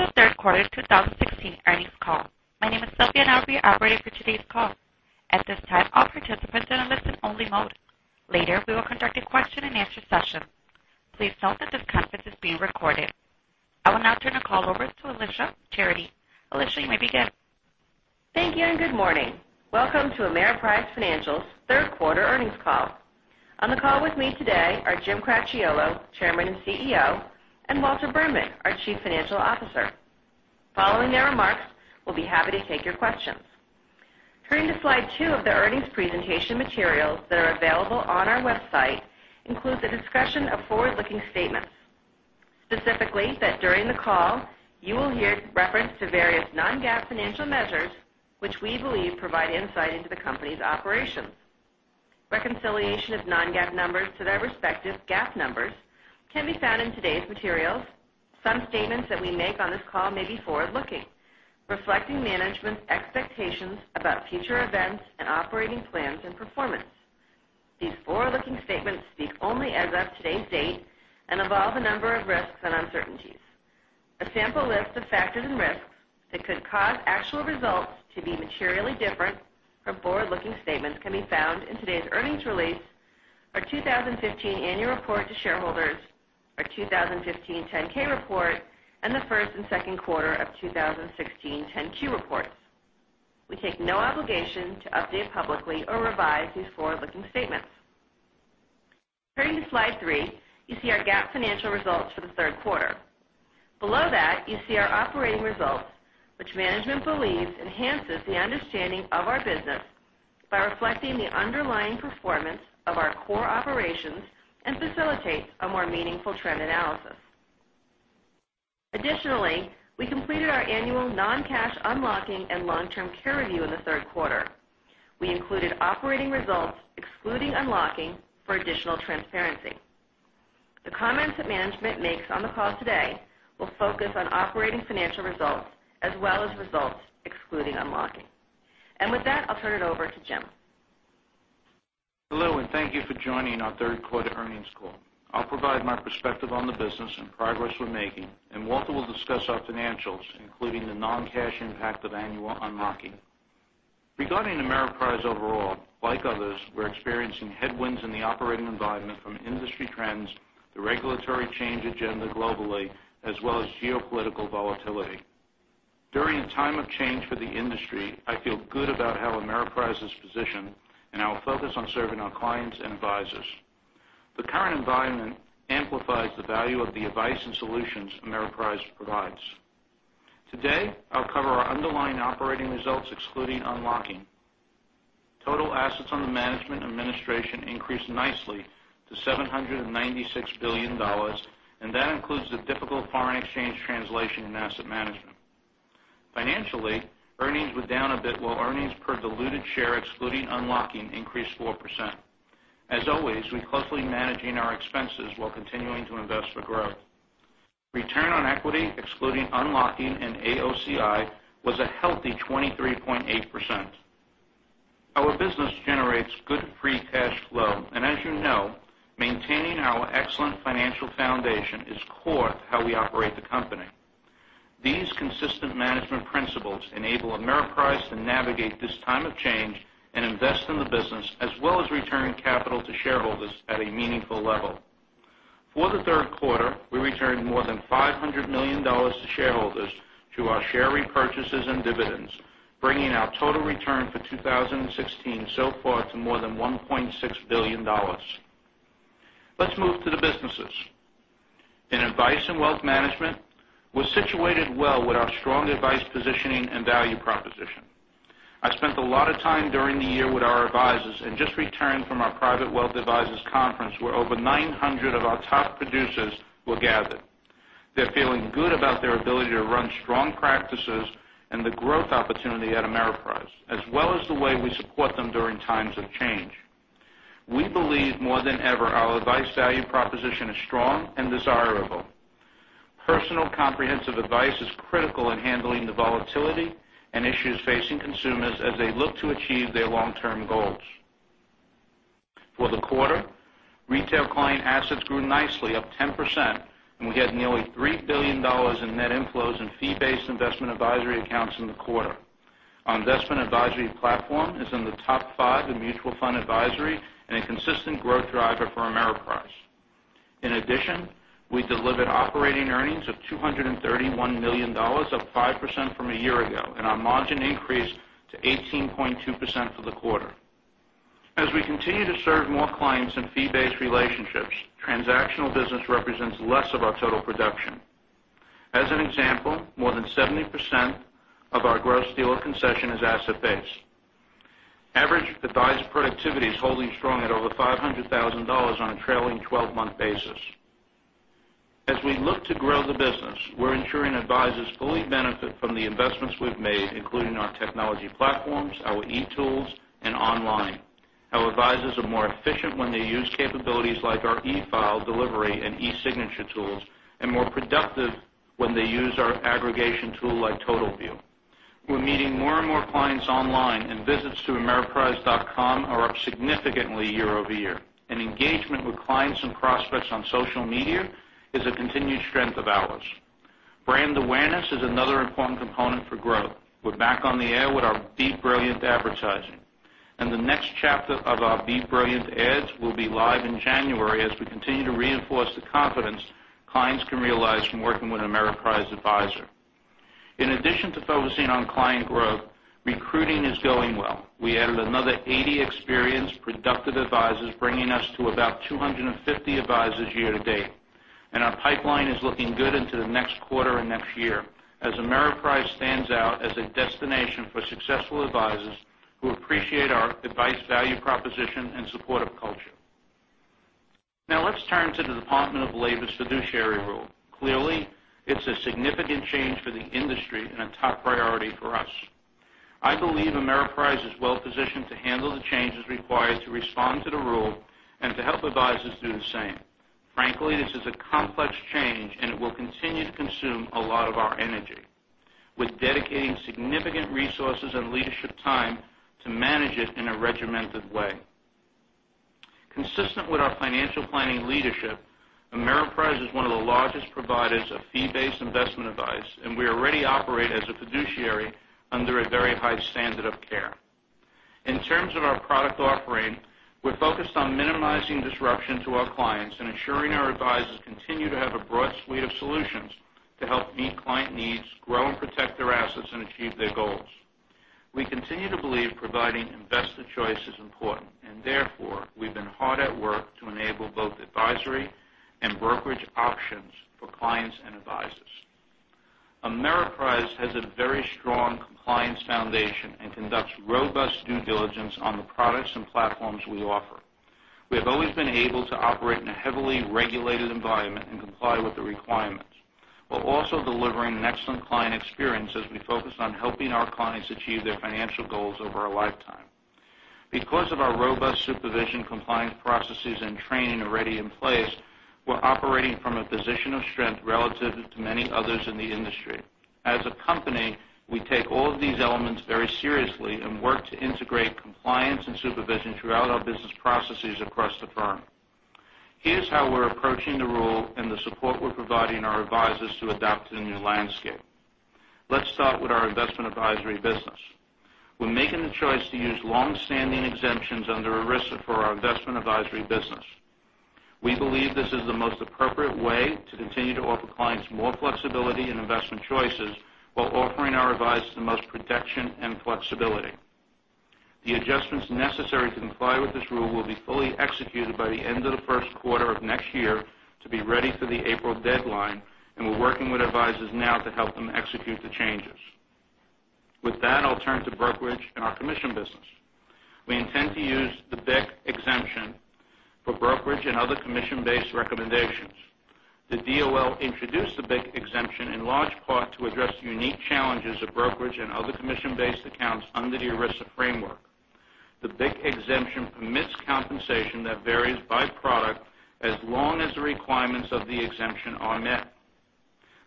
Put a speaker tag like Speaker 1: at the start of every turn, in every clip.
Speaker 1: Welcome to the third quarter 2016 earnings call. My name is Sylvia, I'll be operating for today's call. At this time, all participants are in listen only mode. Later, we will conduct a question and answer session. Please note that this conference is being recorded. I will now turn the call over to Alicia Charity. Alicia, you may begin.
Speaker 2: Thank you. Good morning. Welcome to Ameriprise Financial third quarter earnings call. On the call with me today are Jim Cracchiolo, Chairman and CEO, and Walter Berman, our Chief Financial Officer. Following their remarks, we will be happy to take your questions. Turning to slide two of the earnings presentation materials that are available on our website includes a discussion of forward-looking statements. Specifically, that during the call, you will hear reference to various non-GAAP financial measures, which we believe provide insight into the company's operations. Reconciliation of non-GAAP numbers to their respective GAAP numbers can be found in today's materials. Some statements that we make on this call may be forward-looking, reflecting management's expectations about future events and operating plans and performance. These forward-looking statements speak only as of today's date and involve a number of risks and uncertainties. A sample list of factors and risks that could cause actual results to be materially different from forward-looking statements can be found in today's earnings release, our 2015 annual report to shareholders, our 2015 10-K report, and the first and second quarter of 2016 10-Q reports. We take no obligation to update publicly or revise these forward-looking statements. Turning to slide three, you see our GAAP financial results for the third quarter. Below that, you see our operating results, which management believes enhances the understanding of our business by reflecting the underlying performance of our core operations and facilitates a more meaningful trend analysis. Additionally, we completed our annual non-cash unlocking and long-term care review in the third quarter. We included operating results, excluding unlocking for additional transparency. The comments that management makes on the call today will focus on operating financial results as well as results excluding unlocking. With that, I'll turn it over to Jim.
Speaker 3: Hello, thank you for joining our third quarter earnings call. I'll provide my perspective on the business and progress we're making, and Walter will discuss our financials, including the non-cash impact of annual unlocking. Regarding Ameriprise overall, like others, we're experiencing headwinds in the operating environment from industry trends, the regulatory change agenda globally, as well as geopolitical volatility. During a time of change for the industry, I feel good about how Ameriprise is positioned and our focus on serving our clients and advisors. The current environment amplifies the value of the advice and solutions Ameriprise provides. Today, I'll cover our underlying operating results, excluding unlocking. Total assets under management administration increased nicely to $796 billion, and that includes the difficult foreign exchange translation in asset management. Financially, earnings were down a bit, while earnings per diluted share, excluding unlocking increased 4%. As always, we're closely managing our expenses while continuing to invest for growth. Return on equity, excluding unlocking and AOCI, was a healthy 23.8%. As you know, maintaining our excellent financial foundation is core to how we operate the company. These consistent management principles enable Ameriprise to navigate this time of change and invest in the business as well as return capital to shareholders at a meaningful level. For the third quarter, we returned more than $500 million to shareholders through our share repurchases and dividends, bringing our total return for 2016 so far to more than $1.6 billion. Let's move to the businesses. In Advice & Wealth Management, we're situated well with our strong advice positioning and value proposition. I spent a lot of time during the year with our advisors and just returned from our private wealth advisors conference, where over 900 of our top producers were gathered. They're feeling good about their ability to run strong practices and the growth opportunity at Ameriprise, as well as the way we support them during times of change. We believe more than ever, our advice value proposition is strong and desirable. Personal comprehensive advice is critical in handling the volatility and issues facing consumers as they look to achieve their long-term goals. For the quarter, retail client assets grew nicely, up 10%, and we had nearly $3 billion in net inflows in fee-based investment advisory accounts in the quarter. Our investment advisory platform is in the top five in mutual fund advisory and a consistent growth driver for Ameriprise. In addition, we delivered operating earnings of $231 million, up 5% from a year ago, and our margin increased to 18.2% for the quarter. As we continue to serve more clients in fee-based relationships, transactional business represents less of our total production. As an example, more than 70% of our Gross Dealer Concession is asset-based. Average advisor productivity is holding strong at over $500,000 on a trailing 12-month basis. As we look to grow the business, we're ensuring advisors fully benefit from the investments we've made, including our technology platforms, our eTools, and online. Our advisors are more efficient when they use capabilities like our eFile delivery and eSignature tools and more productive when they use our aggregation tool like Total View. We're meeting more and more clients online, and visits to ameriprise.com are up significantly year-over-year. Engagement with clients and prospects on social media is a continued strength of ours. Brand awareness is another important component for growth. We're back on the air with our Be Brilliant advertising. The next chapter of our Be Brilliant ads will be live in January as we continue to reinforce the confidence clients can realize from working with an Ameriprise advisor. In addition to focusing on client growth, recruiting is going well. We added another 80 experienced, productive advisors, bringing us to about 250 advisors year-to-date, and our pipeline is looking good into the next quarter and next year as Ameriprise stands out as a destination for successful advisors who appreciate our advice, value proposition, and supportive culture. Let's turn to the Department of Labor's fiduciary rule. Clearly, it's a significant change for the industry and a top priority for us. I believe Ameriprise is well-positioned to handle the changes required to respond to the rule and to help advisors do the same. Frankly, this is a complex change, and it will continue to consume a lot of our energy. We're dedicating significant resources and leadership time to manage it in a regimented way. Consistent with our financial planning leadership, Ameriprise is one of the largest providers of fee-based investment advice, and we already operate as a fiduciary under a very high standard of care. In terms of our product offering, we're focused on minimizing disruption to our clients and ensuring our advisors continue to have a broad suite of solutions to help meet client needs, grow and protect their assets, and achieve their goals. We continue to believe providing investor choice is important, and therefore, we've been hard at work to enable both advisory and brokerage options for clients and advisors. Ameriprise has a very strong compliance foundation and conducts robust due diligence on the products and platforms we offer. We have always been able to operate in a heavily regulated environment and comply with the requirements while also delivering an excellent client experience as we focus on helping our clients achieve their financial goals over a lifetime. Because of our robust supervision, compliance processes, and training already in place, we're operating from a position of strength relative to many others in the industry. As a company, we take all of these elements very seriously and work to integrate compliance and supervision throughout our business processes across the firm. Here's how we're approaching the rule and the support we're providing our advisors to adapt to the new landscape. Let's start with our investment advisory business. We're making the choice to use long-standing exemptions under ERISA for our investment advisory business. We believe this is the most appropriate way to continue to offer clients more flexibility and investment choices while offering our advisors the most protection and flexibility. The adjustments necessary to comply with this rule will be fully executed by the end of the first quarter of next year to be ready for the April deadline, and we're working with advisors now to help them execute the changes. With that, I'll turn to brokerage and our commission business. We intend to use the BIC exemption for brokerage and other commission-based recommendations. The DOL introduced the BIC exemption in large part to address the unique challenges of brokerage and other commission-based accounts under the ERISA framework. The BIC exemption permits compensation that varies by product as long as the requirements of the exemption are met.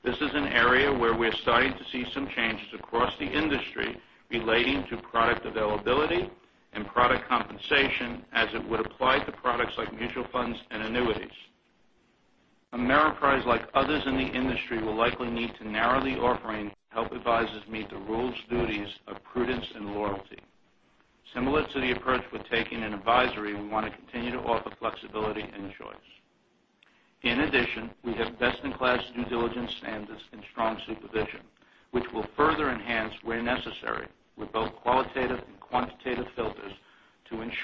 Speaker 3: This is an area where we're starting to see some changes across the industry relating to product availability and product compensation as it would apply to products like mutual funds and annuities. Ameriprise, like others in the industry, will likely need to narrow the offering to help advisors meet the rule's duties of prudence and loyalty. Similar to the approach we're taking in advisory, we want to continue to offer flexibility and choice. In addition, we have best-in-class due diligence standards and strong supervision, which we'll further enhance where necessary with both qualitative and quantitative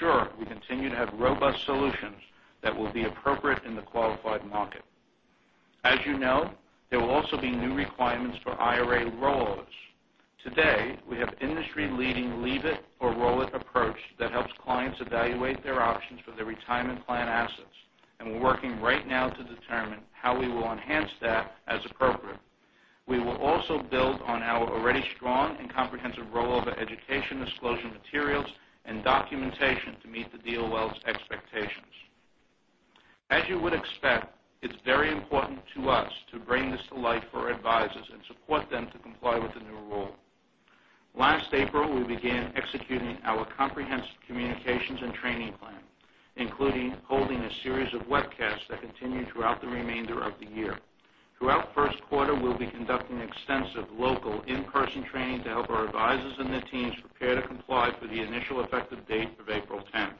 Speaker 3: filters to ensure we continue to have robust solutions that will be appropriate in the qualified market. As you know, there will also be new requirements for IRA rollovers. Today, we have industry-leading leave it or roll it approach that helps clients evaluate their options for their retirement plan assets, and we're working right now to determine how we will enhance that as appropriate. We will also build on our already strong and comprehensive rollover education disclosure materials and documentation to meet the DOL's expectations. As you would expect, it's very important to us to bring this to life for our advisors and support them to comply with the new rule. Last April, we began executing our comprehensive communications and training plan, including holding a series of webcasts that continue throughout the remainder of the year. Throughout first quarter, we'll be conducting extensive local in-person training to help our advisors and their teams prepare to comply for the initial effective date of April 10th.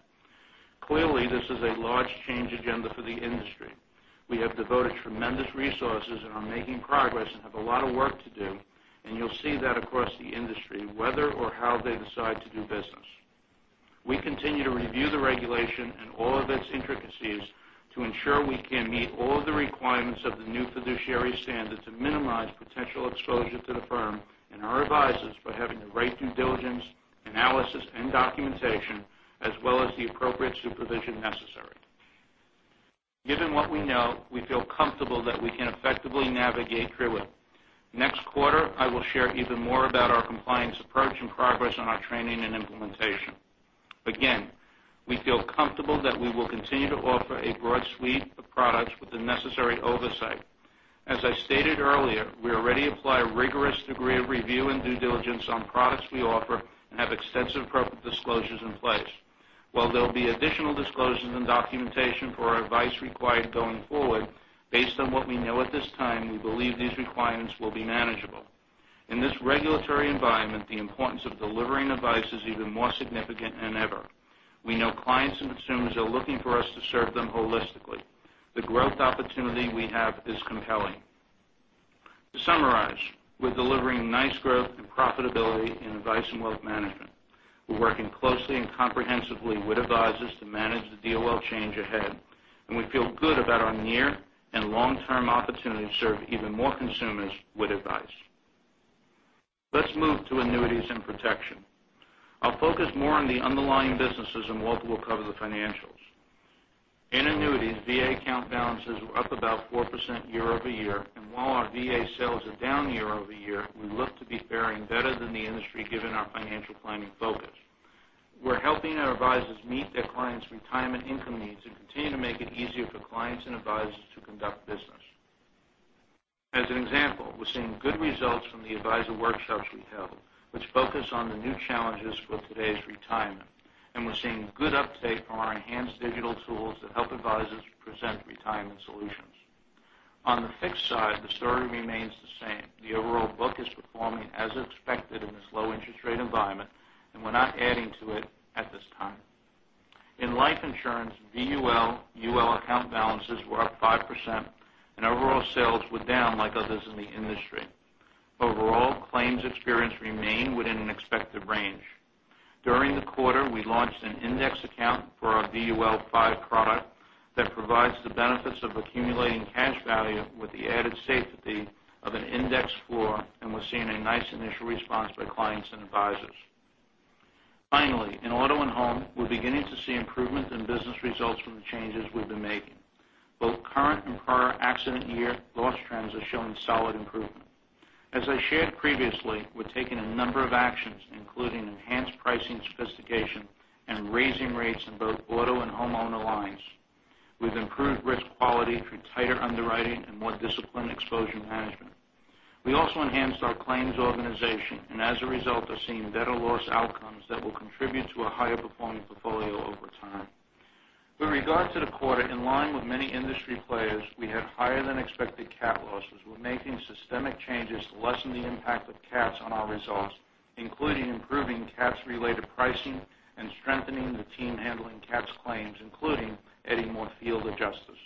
Speaker 3: Clearly, this is a large change agenda for the industry. We have devoted tremendous resources and are making progress and have a lot of work to do, and you'll see that across the industry, whether or how they decide to do business. We continue to review the regulation and all of its intricacies to ensure we can meet all of the requirements of the new fiduciary standard to minimize potential exposure to the firm and our advisors by having the right due diligence, analysis, and documentation, as well as the appropriate supervision necessary. Given what we know, we feel comfortable that we can effectively navigate through it. Next quarter, I will share even more about our compliance approach and progress on our training and implementation. Again, we feel comfortable that we will continue to offer a broad suite of products with the necessary oversight. As I stated earlier, we already apply a rigorous degree of review and due diligence on products we offer and have extensive appropriate disclosures in place. While there'll be additional disclosures and documentation for our advice required going forward, based on what we know at this time, we believe these requirements will be manageable. In this regulatory environment, the importance of delivering advice is even more significant than ever. We know clients and consumers are looking for us to serve them holistically. The growth opportunity we have is compelling. To summarize, we're delivering nice growth and profitability in Advice & Wealth Management. We're working closely and comprehensively with advisors to manage the DOL change ahead. We feel good about our near and long-term opportunity to serve even more consumers with advice. Let's move to annuities and protection. I'll focus more on the underlying businesses. Walter will cover the financials. In annuities, VA account balances were up about 4% year-over-year. While our VA sales are down year-over-year, we look to be faring better than the industry given our financial planning focus. We're helping our advisors meet their clients' retirement income needs and continue to make it easier for clients and advisors to conduct business. As an example, we're seeing good results from the advisor workshops we held, which focus on the new challenges for today's retirement. We're seeing good uptake on our enhanced digital tools that help advisors present retirement solutions. On the fixed side, the story remains the same. The overall book is performing as expected in this low interest rate environment. We're not adding to it at this time. In life insurance, VUL, UL account balances were up 5%. Overall sales were down like others in the industry. Overall, claims experience remain within an expected range. During the quarter, we launched an index account for our VUL 5 product that provides the benefits of accumulating cash value with the added safety of an index floor. We're seeing a nice initial response by clients and advisors. Finally, in auto and home, we're beginning to see improvement in business results from the changes we've been making. Both current and prior accident year loss trends are showing solid improvement. As I shared previously, we're taking a number of actions, including enhanced pricing sophistication and raising rates in both auto and homeowner lines. We've improved risk quality through tighter underwriting and more disciplined exposure management. We also enhanced our claims organization. As a result, are seeing better loss outcomes that will contribute to a higher performing portfolio over time. With regard to the quarter, in line with many industry players, we had higher than expected CAT losses. We're making systemic changes to lessen the impact of CATs on our results, including improving CATs related pricing and strengthening the team handling CATs claims, including adding more field adjusters.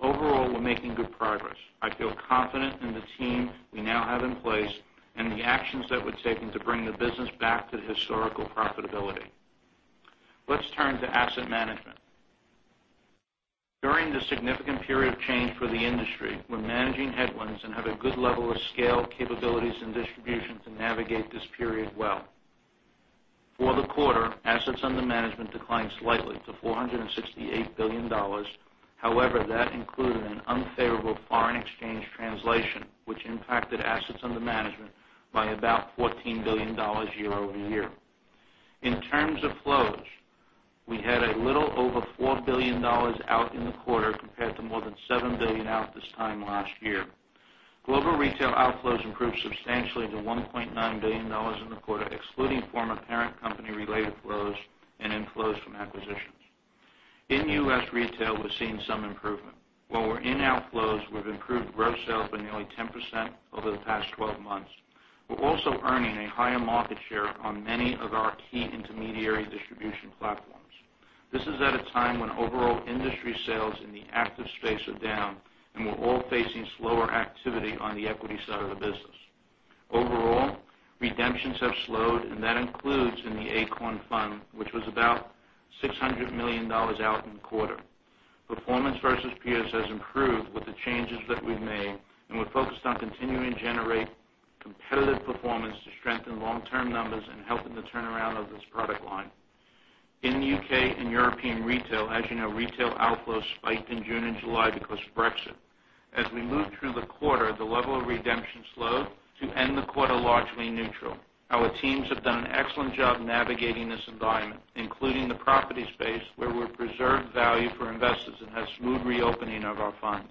Speaker 3: Overall, we're making good progress. I feel confident in the team we now have in place. The actions that we're taking to bring the business back to historical profitability. Let's turn to asset management. During this significant period of change for the industry, we're managing headwinds. We have a good level of scale, capabilities, and distribution to navigate this period well. For the quarter, assets under management declined slightly to $468 billion. However, that included an unfavorable foreign exchange translation, which impacted assets under management by about $14 billion year-over-year. In terms of flows, we had a little over $4 billion out in the quarter compared to more than $7 billion out this time last year. Global retail outflows improved substantially to $1.9 billion in the quarter, excluding former parent company related flows. Inflows from acquisitions. In U.S. retail, we're seeing some improvement. While we're in outflows, we've improved gross sales by nearly 10% over the past 12 months. We're also earning a higher market share on many of our key intermediary distribution platforms. This is at a time when overall industry sales in the active space are down, and we're all facing slower activity on the equity side of the business. Overall, redemptions have slowed, and that includes in the Columbia Acorn Fund, which was about $600 million out in the quarter. Performance versus peers has improved with the changes that we've made, and we're focused on continuing to generate competitive performance to strengthen long-term numbers and helping the turnaround of this product line. In the U.K. and European retail, as you know, retail outflows spiked in June and July because of Brexit. As we moved through the quarter, the level of redemption slowed to end the quarter largely neutral. Our teams have done an excellent job navigating this environment, including the property space, where we've preserved value for investors and had smooth reopening of our fund.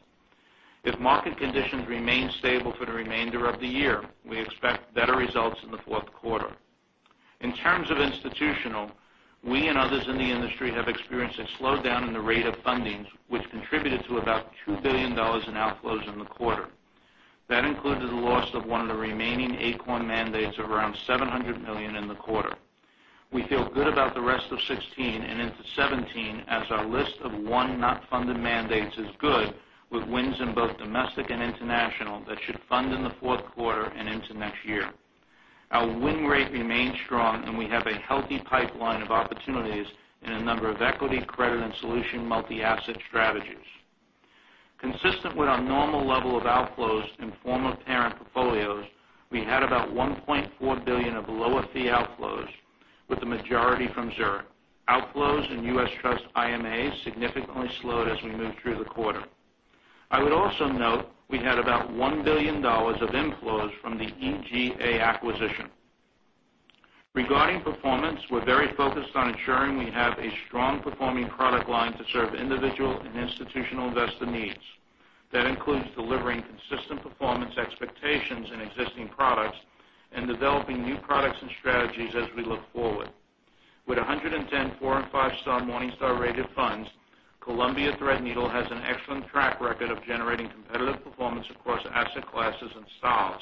Speaker 3: If market conditions remain stable for the remainder of the year, we expect better results in the fourth quarter. In terms of institutional, we and others in the industry have experienced a slowdown in the rate of fundings, which contributed to about $2 billion in outflows in the quarter. That included the loss of one of the remaining Columbia Acorn Fund mandates of around $700 million in the quarter. We feel good about the rest of 2016 and into 2017 as our list of one not funded mandates is good with wins in both domestic and international that should fund in the fourth quarter and into next year. Our win rate remains strong, and we have a healthy pipeline of opportunities in a number of equity, credit, and solution multi-asset strategies. Consistent with our normal level of outflows in former parent portfolios, we had about $1.4 billion of lower fee outflows, with the majority from Zurich. Outflows in U.S. Trust IMA significantly slowed as we moved through the quarter. I would also note we had about $1 billion of inflows from the EGA acquisition. Regarding performance, we're very focused on ensuring we have a strong-performing product line to serve individual and institutional investor needs. That includes delivering consistent performance expectations in existing products and developing new products and strategies as we look forward. With 110 4- and 5-star Morningstar-rated funds, Columbia Threadneedle has an excellent track record of generating competitive performance across asset classes and styles.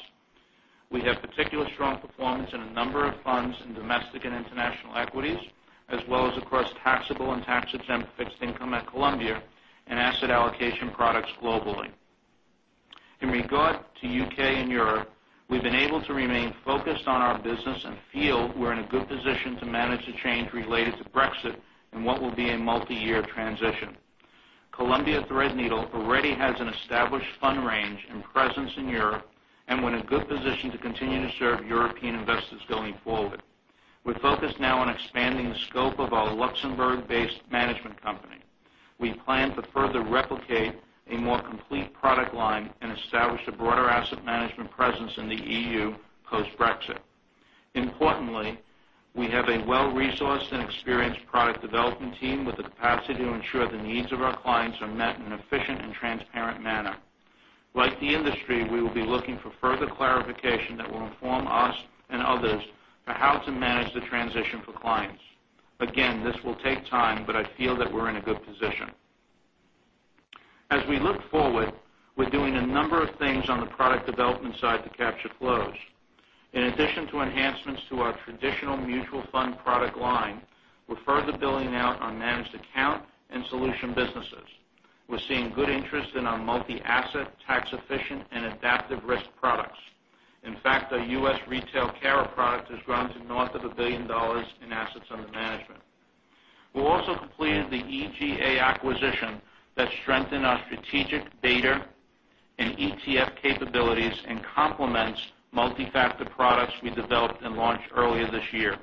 Speaker 3: We have particular strong performance in a number of funds in domestic and international equities, as well as across taxable and tax-exempt fixed income at Columbia and asset allocation products globally. In regard to U.K. and Europe, we've been able to remain focused on our business and feel we're in a good position to manage the change related to Brexit and what will be a multi-year transition. Columbia Threadneedle already has an established fund range and presence in Europe and we're in a good position to continue to serve European investors going forward. We're focused now on expanding the scope of our Luxembourg-based management company. We plan to further replicate a more complete product line and establish a broader asset management presence in the EU post-Brexit. Importantly, we have a well-resourced and experienced product development team with the capacity to ensure the needs of our clients are met in an efficient and transparent manner. Like the industry, we will be looking for further clarification that will inform us and others for how to manage the transition for clients. Again, this will take time, but I feel that we're in a good position. As we look forward, we're doing a number of things on the product development side to capture flows. In addition to enhancements to our traditional mutual fund product line, we're further building out our managed account and solution businesses. We're seeing good interest in our multi-asset, tax-efficient, and adaptive risk products. In fact, our U.S. retail CARA product has grown to north of $1 billion in assets under management. We also completed the EGA acquisition that strengthened our strategic beta and ETF capabilities and complements multi-factor products we developed and launched earlier this year.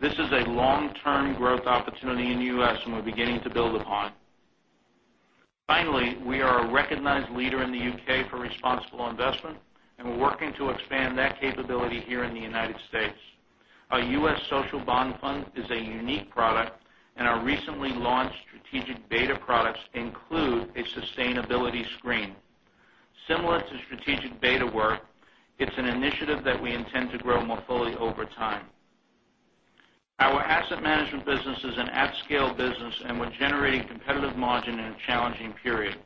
Speaker 3: This is a long-term growth opportunity in the U.S., and we're beginning to build upon it. Finally, we are a recognized leader in the U.K. for responsible investment, and we're working to expand that capability here in the United States. Our U.S. Social Bond Fund is a unique product, and our recently launched strategic beta products include a sustainability screen. Similar to strategic beta work, it's an initiative that we intend to grow more fully over time. Our asset management business is an at-scale business, and we're generating competitive margin in a challenging period.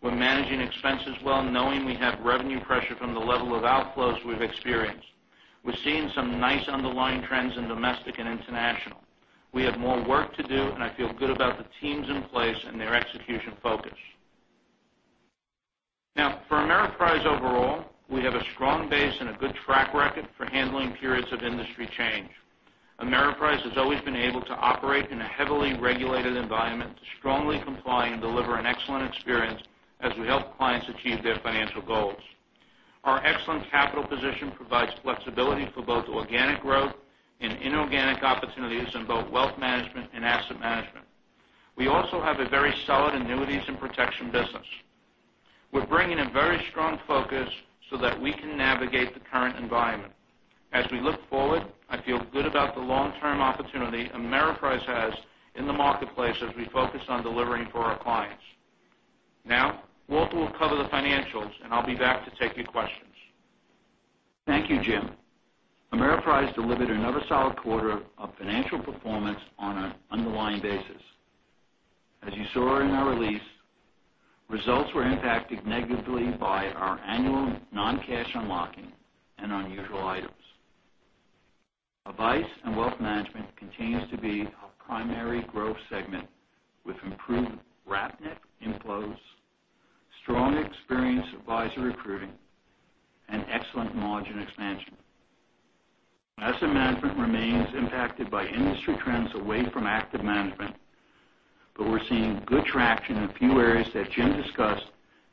Speaker 3: We're managing expenses well, knowing we have revenue pressure from the level of outflows we've experienced. We're seeing some nice underlying trends in domestic and international. We have more work to do, and I feel good about the teams in place and their execution focus. Now, for Ameriprise overall, we have a strong base and a good track record for handling periods of industry change. Ameriprise has always been able to operate in a heavily regulated environment to strongly comply and deliver an excellent experience as we help clients achieve their financial goals. Our excellent capital position provides flexibility for both organic growth and inorganic opportunities in both wealth management and asset management. We also have a very solid annuities and protection business. We're bringing a very strong focus so that we can navigate the current environment. As we look forward, I feel good about the long-term opportunity Ameriprise has in the marketplace as we focus on delivering for our clients. Now, Walter will cover the financials, and I'll be back to take your questions.
Speaker 4: Thank you, Jim. Ameriprise delivered another solid quarter of financial performance on an underlying basis. As you saw in our release, results were impacted negatively by our annual non-cash unlocking and unusual items. Advice & Wealth Management continues to be our primary growth segment with improved wrap net inflows, strong experienced advisory recruiting, and excellent margin expansion. Asset management remains impacted by industry trends away from active management, but we're seeing good traction in a few areas that Jim discussed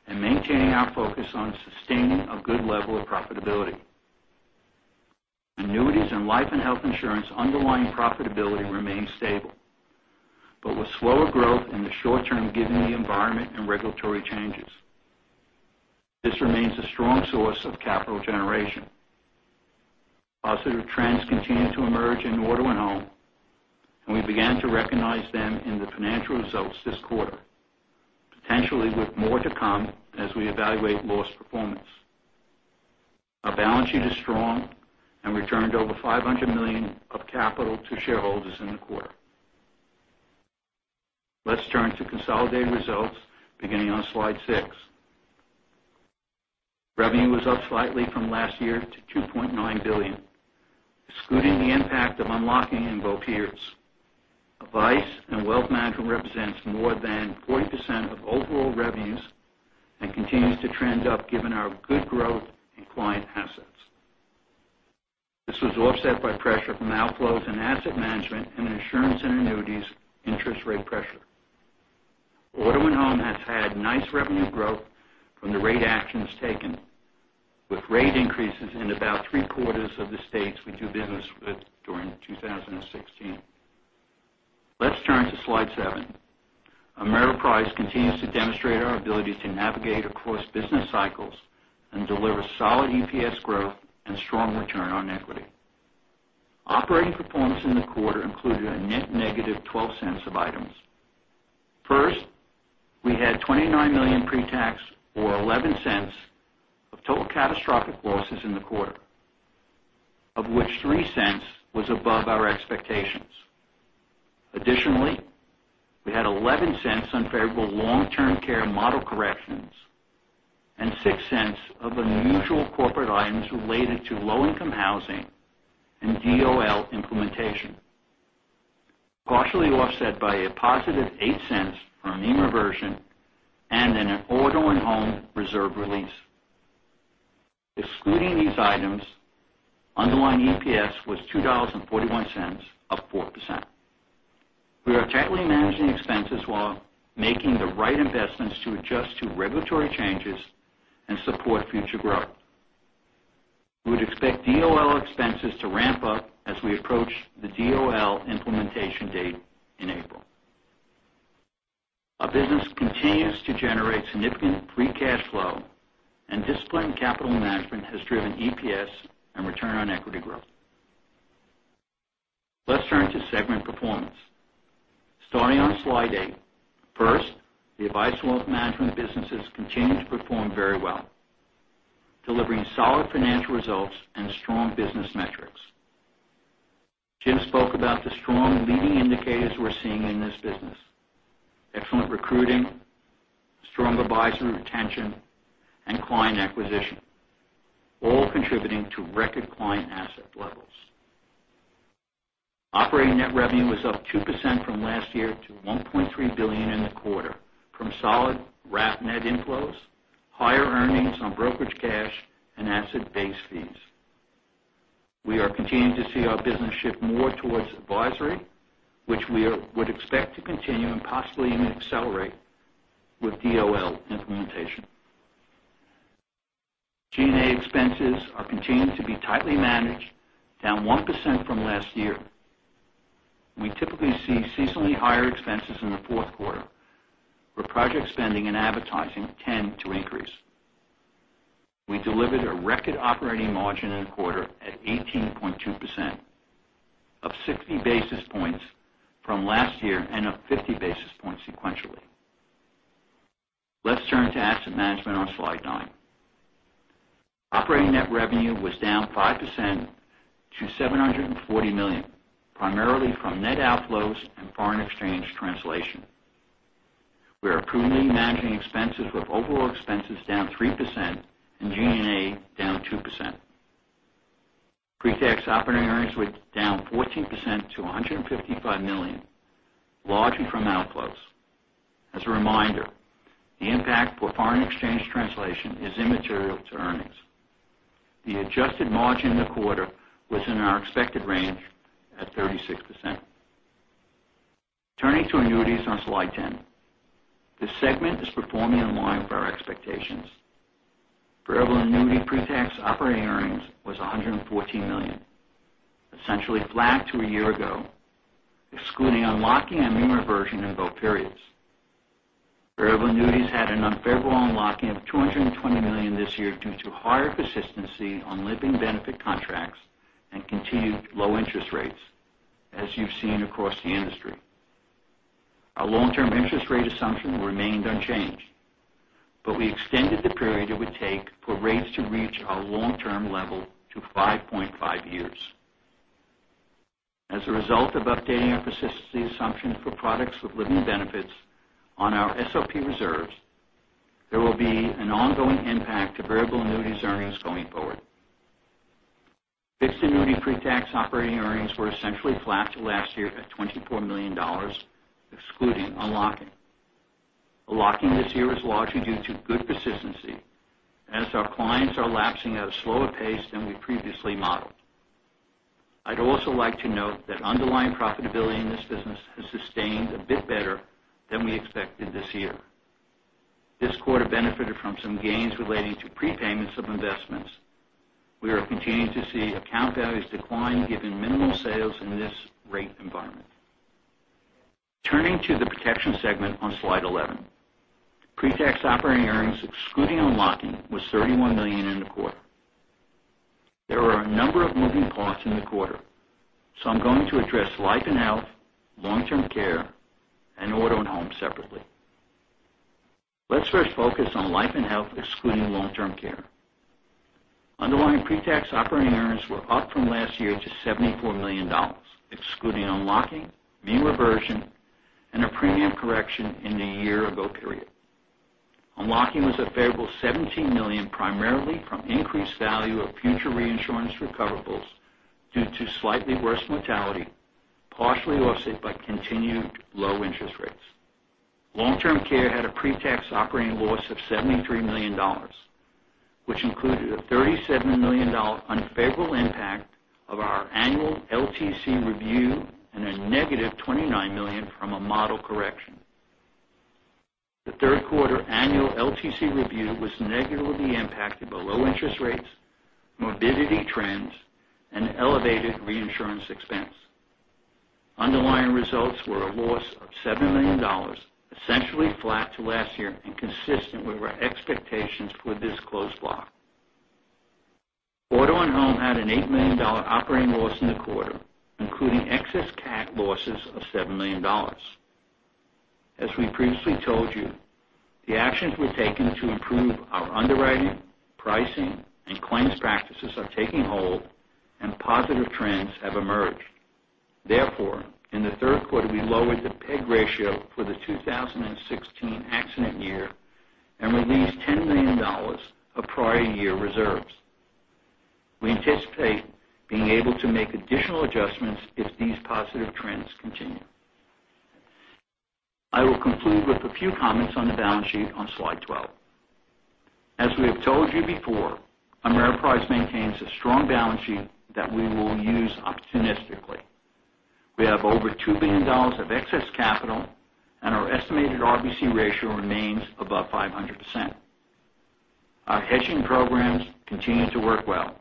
Speaker 4: and maintaining our focus on sustaining a good level of profitability. Annuities and life and health insurance underlying profitability remains stable, but with slower growth in the short term given the environment and regulatory changes. This remains a strong source of capital generation. Positive trends continue to emerge in auto and home. We began to recognize them in the financial results this quarter, potentially with more to come as we evaluate loss performance. Our balance sheet is strong, and we returned over $500 million of capital to shareholders in the quarter. Let's turn to consolidated results beginning on slide six. Revenue was up slightly from last year to $2.9 billion. Excluding the impact of unlocking in both years. Advice and Wealth Management represents more than 40% of overall revenues and continues to trend up given our good growth in client assets. This was offset by pressure from outflows in Asset Management and Insurance and Annuities interest rate pressure. Auto and home has had nice revenue growth from the rate actions taken, with rate increases in about three-quarters of the states we do business with during 2016. Let's turn to slide seven. Ameriprise continues to demonstrate our ability to navigate across business cycles and deliver solid EPS growth and strong return on equity. Operating performance in the quarter included a net negative $0.12 of items. First, we had $29 million pre-tax, or $0.11 of total catastrophic losses in the quarter, of which $0.03 was above our expectations. Additionally, we had $0.11 unfavorable long-term care model corrections and $0.06 of unusual corporate items related to low-income housing and DOL implementation, partially offset by a positive $0.08 from mean reversion and an auto and home reserve release. Excluding these items, underlying EPS was $2.41, up 4%. We are tightly managing expenses while making the right investments to adjust to regulatory changes and support future growth. We would expect DOL expenses to ramp up as we approach the DOL implementation date in April. Our business continues to generate significant free cash flow and disciplined capital management has driven EPS and return on equity growth. Let's turn to segment performance. Starting on slide eight. First, the Advisory Wealth Management businesses continue to perform very well, delivering solid financial results and strong business metrics. Jim spoke about the strong leading indicators we're seeing in this business. Excellent recruiting, strong advisor retention, and client acquisition, all contributing to record client asset levels. Operating net revenue was up 2% from last year to $1.3 billion in the quarter from solid wrap net inflows, higher earnings on brokerage cash, and asset-based fees. We are continuing to see our business shift more towards advisory, which we would expect to continue and possibly even accelerate with DOL implementation. G&A expenses are continuing to be tightly managed, down 1% from last year. We typically see seasonally higher expenses in the fourth quarter, where project spending and advertising tend to increase. We delivered a record operating margin in the quarter at 18.2%, up 60 basis points from last year and up 50 basis points sequentially. Let's turn to Asset Management on slide nine. Operating net revenue was down 5% to $740 million, primarily from net outflows and foreign exchange translation. We are prudently managing expenses, with overall expenses down 3% and G&A down 2%. Pre-tax operating earnings were down 14% to $155 million, largely from outflows. As a reminder, the impact for foreign exchange translation is immaterial to earnings. The adjusted margin in the quarter was in our expected range at 36%. Turning to Annuities on slide 10. This segment is performing in line with our expectations. Variable annuity pre-tax operating earnings was $114 million, essentially flat to a year ago, excluding unlocking and mean reversion in both periods. Variable annuities had an unfavorable unlocking of $220 million this year due to higher persistency on living benefit contracts and continued low interest rates, as you've seen across the industry. Our long-term interest rate assumption remained unchanged, but we extended the period it would take for rates to reach our long-term level to 5.5 years. As a result of updating our persistency assumptions for products with living benefits on our SOP reserves, there will be an ongoing impact to variable annuities earnings going forward. Fixed annuity pre-tax operating earnings were essentially flat to last year at $24 million, excluding unlocking. Unlocking this year was largely due to good persistency as our clients are lapsing at a slower pace than we previously modeled. I'd also like to note that underlying profitability in this business has sustained a bit better than we expected this year. This quarter benefited from some gains relating to prepayments of investments. We are continuing to see account values decline given minimal sales in this rate environment. Turning to the protection segment on slide 11. Pre-tax operating earnings, excluding unlocking, was $31 million in the quarter. There are a number of moving parts in the quarter, so I'm going to address life and health, long-term care, and auto and home separately. Let's first focus on life and health, excluding long-term care. Underlying pre-tax operating earnings were up from last year to $74 million, excluding unlocking, mean reversion, and a premium correction in the year-ago period. Unlocking was a favorable $17 million, primarily from increased value of future reinsurance recoverables due to slightly worse mortality, partially offset by continued low interest rates. Long-term care had a pre-tax operating loss of $73 million, which included a $37 million unfavorable impact of our annual LTC review and a negative $29 million from a model correction. Third quarter annual LTC review was negatively impacted by low interest rates, morbidity trends, and elevated reinsurance expense. Underlying results were a loss of $7 million, essentially flat to last year and consistent with our expectations for this close block. Auto and home had an $8 million operating loss in the quarter, including excess CAT losses of $7 million. As we previously told you, the actions we're taking to improve our underwriting, pricing, and claims practices are taking hold and positive trends have emerged. In the third quarter, we lowered the pick ratio for the 2016 accident year and released $10 million of prior year reserves. We anticipate being able to make additional adjustments if these positive trends continue. I will conclude with a few comments on the balance sheet on slide 12. As we have told you before, Ameriprise maintains a strong balance sheet that we will use opportunistically. We have over $2 billion of excess capital, and our estimated RBC ratio remains above 500%. Our hedging programs continue to work well,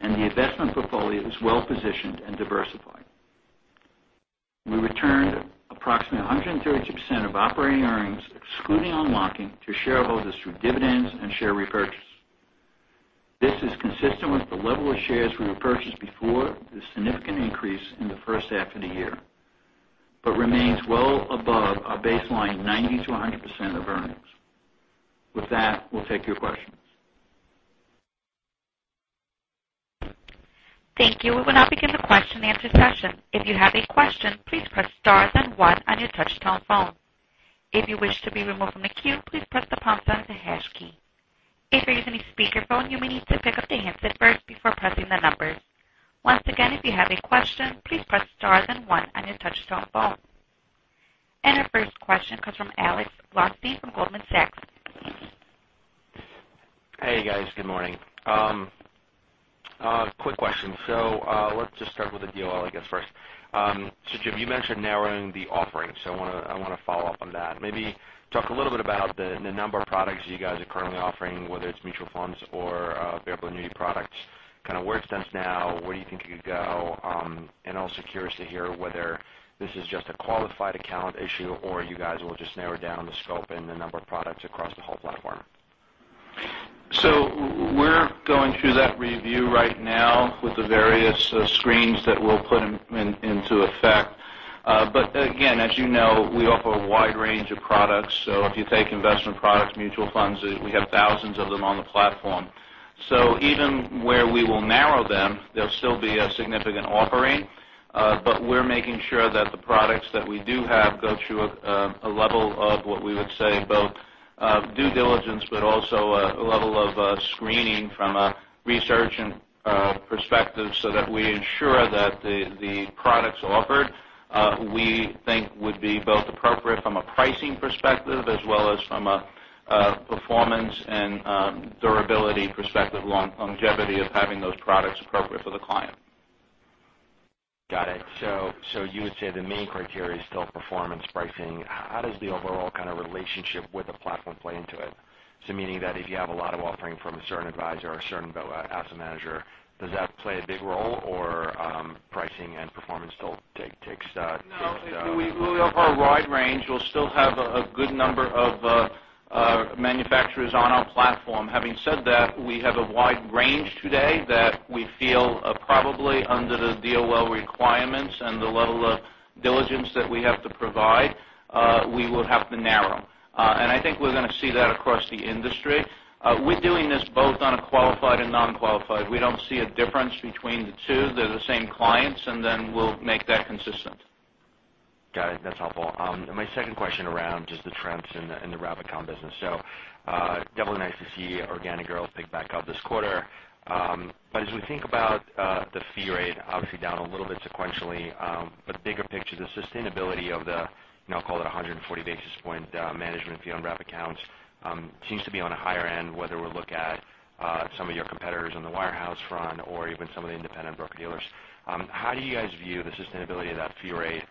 Speaker 4: and the investment portfolio is well-positioned and diversified. We returned approximately 130% of operating earnings, excluding unlocking, to shareholders through dividends and share repurchase. This is consistent with the level of shares we repurchased before the significant increase in the first half of the year but remains well above our baseline 90%-100% of earnings. With that, we'll take your questions.
Speaker 1: Thank you. We will now begin the question and answer session. If you have a question, please press star then one on your touch-tone phone. If you wish to be removed from the queue, please press the pound sign the hash key. If you're using a speakerphone, you may need to pick up the handset first before pressing the numbers. Once again, if you have a question, please press star then one on your touch-tone phone. Our first question comes from Alex Blostein from Goldman Sachs.
Speaker 5: Hey, guys. Good morning. Quick question. Let's just start with the DOL, I guess first. Jim, you mentioned narrowing the offering. I want to follow up on that. Maybe talk a little bit about the number of products you guys are currently offering, whether it's mutual funds or variable annuity products, kind of where it stands now, where you think it could go. Also curious to hear whether this is just a qualified account issue or you guys will just narrow down the scope and the number of products across the whole platform.
Speaker 3: We're going through that review right now with the various screens that we'll put into effect. Again, as you know, we offer a wide range of products. If you take investment products, mutual funds, we have thousands of them on the platform. Even where we will narrow them, there'll still be a significant offering. We're making sure that the products that we do have go through a level of what we would say both due diligence but also a level of screening from a research perspective so that we ensure that the products offered we think would be both appropriate from a pricing perspective as well as from a performance and durability perspective, longevity of having those products appropriate for the client.
Speaker 5: Got it. You would say the main criteria is still performance pricing. How does the overall kind of relationship with the platform play into it? Meaning that if you have a lot of offering from a certain advisor or a certain asset manager, does that play a big role or pricing and performance still takes the-
Speaker 3: No. We offer a wide range. We'll still have a good number of manufacturers on our platform. Having said that, we have a wide range today that we feel probably under the DOL requirements and the level of diligence that we have to provide we will have to narrow. I think we're going to see that across the industry. We're doing this both on a qualified and non-qualified. We don't see a difference between the two. They're the same clients, then we'll make that consistent.
Speaker 5: Got it. That's helpful. My second question around just the trends in the wrap account business. Definitely nice to see organic growth pick back up this quarter. As we think about the fee rate, obviously down a little bit sequentially but bigger picture, the sustainability of the, now call it 140 basis point management fee on wrap accounts seems to be on a higher end, whether we look at some of your competitors on the wirehouse front or even some of the independent broker-dealers. How do you guys view the sustainability of that fee rate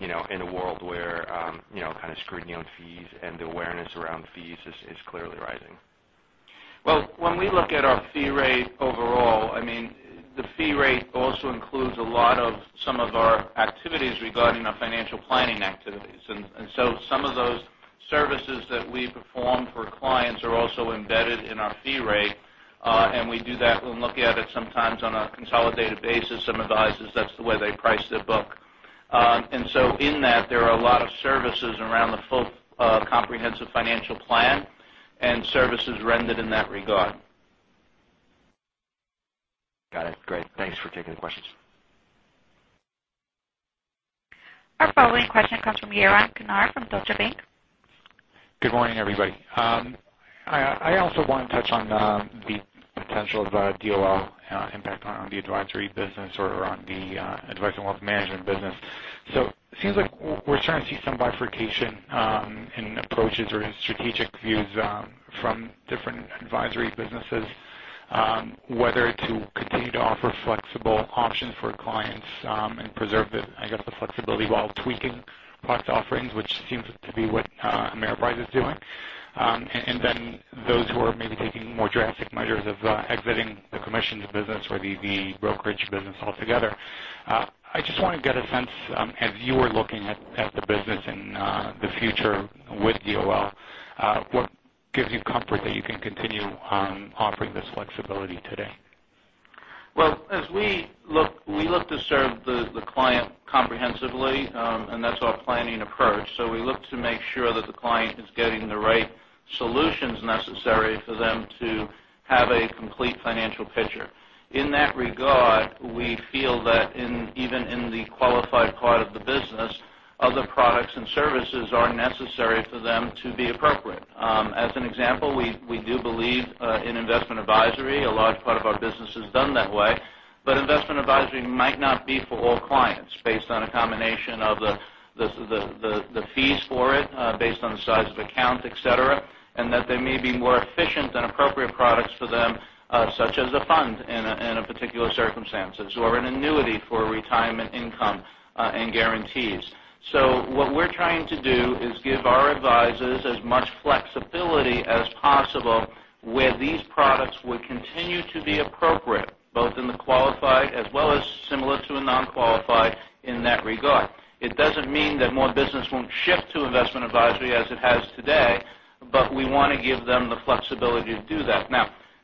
Speaker 5: in a world where kind of scrutiny on fees and the awareness around fees is clearly rising?
Speaker 3: Well, when we look at our fee rate overall, the fee rate also includes a lot of some of our activities regarding our financial planning activities. Some of those services that we perform for clients are also embedded in our fee rate. We do that, we'll look at it sometimes on a consolidated basis. Some advisors, that's the way they price their book. In that, there are a lot of services around the full comprehensive financial plan and services rendered in that regard.
Speaker 5: Got it. Great. Thanks for taking the questions.
Speaker 1: Our following question comes from Yaron Kinar from Deutsche Bank.
Speaker 6: Good morning, everybody. I also want to touch on the potential of the DOL impact on the advisory business or on the advisory wealth management business. It seems like we're starting to see some bifurcation in approaches or in strategic views from different advisory businesses, whether to continue to offer flexible options for clients and preserve the flexibility while tweaking product offerings, which seems to be what Ameriprise is doing. Then those who are maybe taking more drastic measures of exiting the commissions business or the brokerage business altogether. I just want to get a sense, as you are looking at the business and the future with DOL, what gives you comfort that you can continue offering this flexibility today?
Speaker 3: Well, we look to serve the client comprehensively, and that's our planning approach. We look to make sure that the client is getting the right solutions necessary for them to have a complete financial picture. In that regard, we feel that even in the qualified part of the business, other products and services are necessary for them to be appropriate. As an example, we do believe in investment advisory. A large part of our business is done that way, but investment advisory might not be for all clients based on a combination of the fees for it, based on the size of account, et cetera, and that there may be more efficient and appropriate products for them, such as a fund in a particular circumstance or an annuity for retirement income and guarantees. What we're trying to do is give our advisors as much flexibility as possible where these products would continue to be appropriate, both in the qualified as well as similar to a non-qualified in that regard. It doesn't mean that more business won't shift to investment advisory as it has today, but we want to give them the flexibility to do that.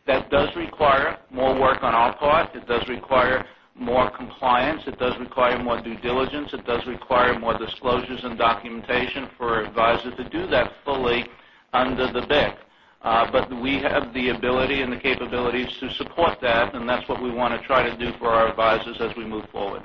Speaker 3: That does require more work on our part. It does require more compliance. It does require more due diligence. It does require more disclosures and documentation for our advisor to do that fully under the BIC. We have the ability and the capabilities to support that, and that's what we want to try to do for our advisors as we move forward.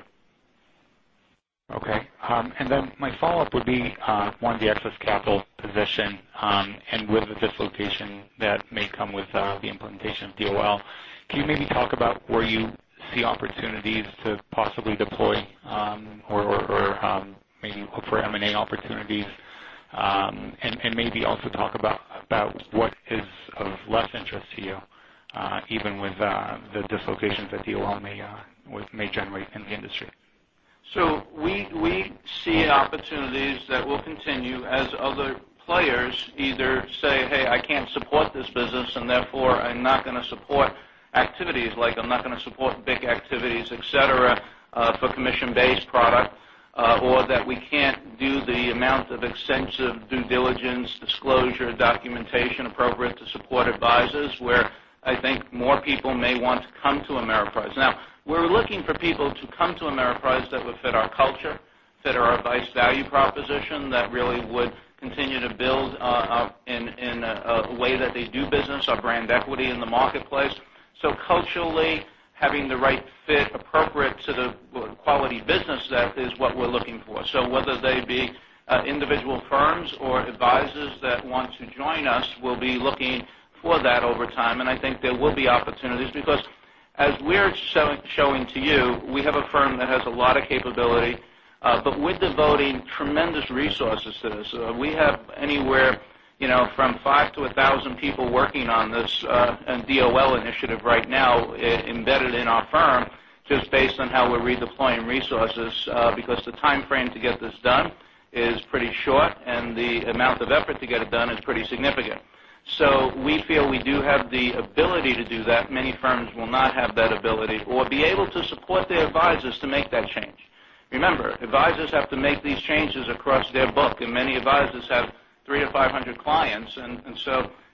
Speaker 6: My follow-up would be on the excess capital position and with the dislocation that may come with the implementation of DOL. Can you maybe talk about where you see opportunities to possibly deploy or maybe look for M&A opportunities? Maybe also talk about what is of less interest to you, even with the dislocations that DOL may generate in the industry.
Speaker 3: We see opportunities that will continue as other players either say, "Hey, I can't support this business, and therefore I'm not going to support activities like I'm not going to support BIC activities, et cetera, for commission-based product," or that we can't do the amount of extensive due diligence, disclosure, documentation appropriate to support advisors where I think more people may want to come to Ameriprise. We're looking for people to come to Ameriprise that would fit our culture, fit our advice value proposition, that really would continue to build in a way that they do business, our brand equity in the marketplace. Culturally, having the right fit appropriate to the quality business there is what we're looking for. Whether they be individual firms or advisors that want to join us, we'll be looking for that over time. I think there will be opportunities because as we're showing to you, we have a firm that has a lot of capability. We're devoting tremendous resources to this. We have anywhere from 500 to 1,000 people working on this DOL initiative right now embedded in our firm just based on how we're redeploying resources because the timeframe to get this done is pretty short, and the amount of effort to get it done is pretty significant. We feel we do have the ability to do that. Many firms will not have that ability or be able to support their advisors to make that change. Remember, advisors have to make these changes across their book, and many advisors have 300 to 500 clients.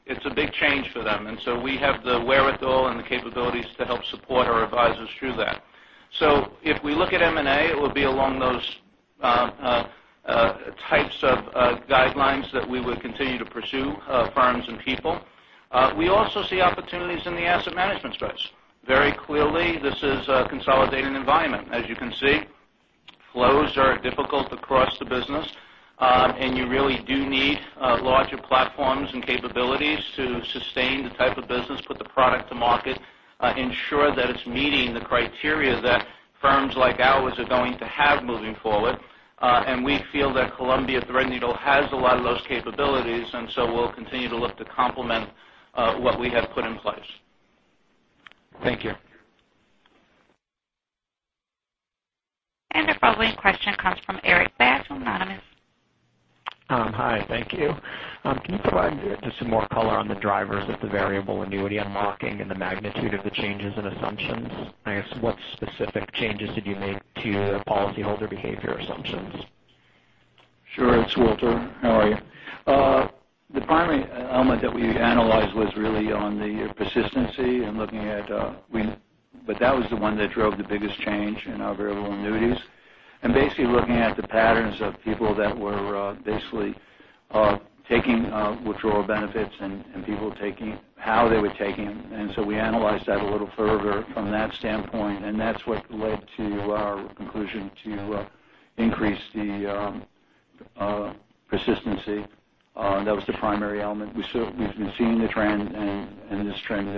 Speaker 3: It's a big change for them. We have the wherewithal and the capabilities to help support our advisors through that. If we look at M&A, it will be along those types of guidelines that we would continue to pursue firms and people. We also see opportunities in the asset management space. Very clearly, this is a consolidating environment. As you can see, flows are difficult across the business. You really do need larger platforms and capabilities to sustain the type of business, put the product to market, ensure that it's meeting the criteria that firms like ours are going to have moving forward. We feel that Columbia Threadneedle has a lot of those capabilities, and so we'll continue to look to complement what we have put in place.
Speaker 6: Thank you.
Speaker 1: Our following question comes from Erik Bass from Autonomous Research.
Speaker 7: Hi, thank you. Can you provide just some more color on the drivers of the variable annuity unlocking and the magnitude of the changes in assumptions? I guess what specific changes did you make to your policyholder behavior assumptions?
Speaker 4: Sure. It's Walter. How are you? The primary element that we analyzed was really on the persistency. That was the one that drove the biggest change in our variable annuities. Basically looking at the patterns of people that were basically taking withdrawal benefits and people taking how they were taking them. We analyzed that a little further from that standpoint, and that's what led to our conclusion to increase the persistency. That was the primary element. We've been seeing the trend and this trend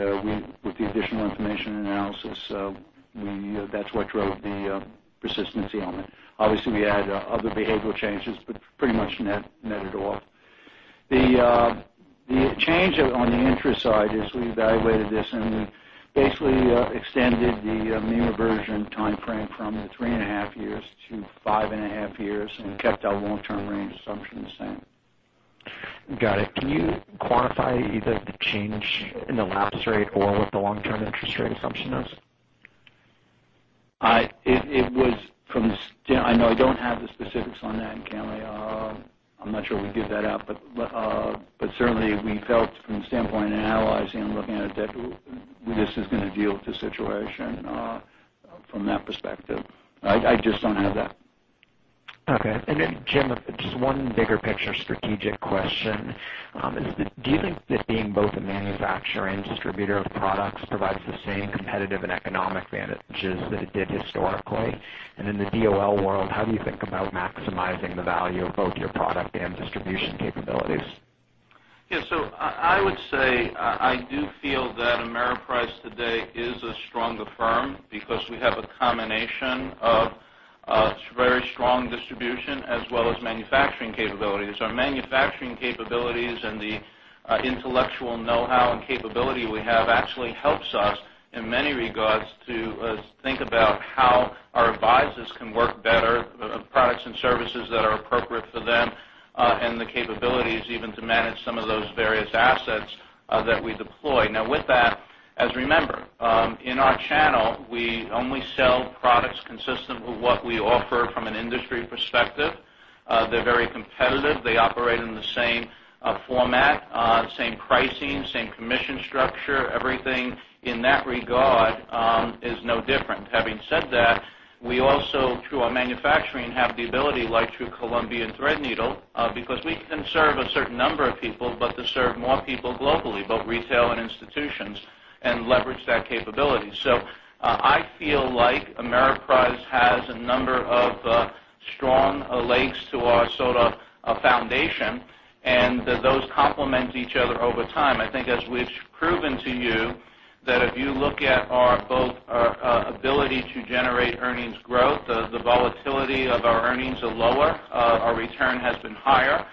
Speaker 4: with the additional information and analysis. That's what drove the persistency element. Obviously, we had other behavioral changes, but pretty much net it off. The change on the interest side is we evaluated this and we basically extended the mean reversion time frame from three and a half years to five and a half years and kept our long-term range assumption the same.
Speaker 7: Got it. Can you quantify either the change in the lapse rate or what the long-term interest rate assumption is?
Speaker 4: I know I don't have the specifics on that, Kamey. I'm not sure we give that out. Certainly, we felt from the standpoint of analyzing and looking at it, that this is going to deal with the situation from that perspective. I just don't have that.
Speaker 7: Okay. Jim, just one bigger picture strategic question. Do you think that being both a manufacturer and distributor of products provides the same competitive and economic advantages that it did historically? In the DOL world, how do you think about maximizing the value of both your product and distribution capabilities?
Speaker 3: Yes. I would say, I do feel that Ameriprise today is a stronger firm because we have a combination of very strong distribution as well as manufacturing capabilities. Our manufacturing capabilities and the intellectual know-how and capability we have actually helps us in many regards to think about how our advisors can work better, products and services that are appropriate for them, and the capabilities even to manage some of those various assets that we deploy. With that, as you remember, in our channel, we only sell products consistent with what we offer from an industry perspective. They're very competitive. They operate in the same format, same pricing, same commission structure. Everything in that regard is no different. Having said that, we also, through our manufacturing, have the ability, like through Columbia and Threadneedle, because we can serve a certain number of people, but to serve more people globally, both retail and institutions, and leverage that capability. I feel like Ameriprise has a number of strong legs to our foundation, and that those complement each other over time. I think as we've proven to you that if you look at both our ability to generate earnings growth, the volatility of our earnings are lower, our return has been higher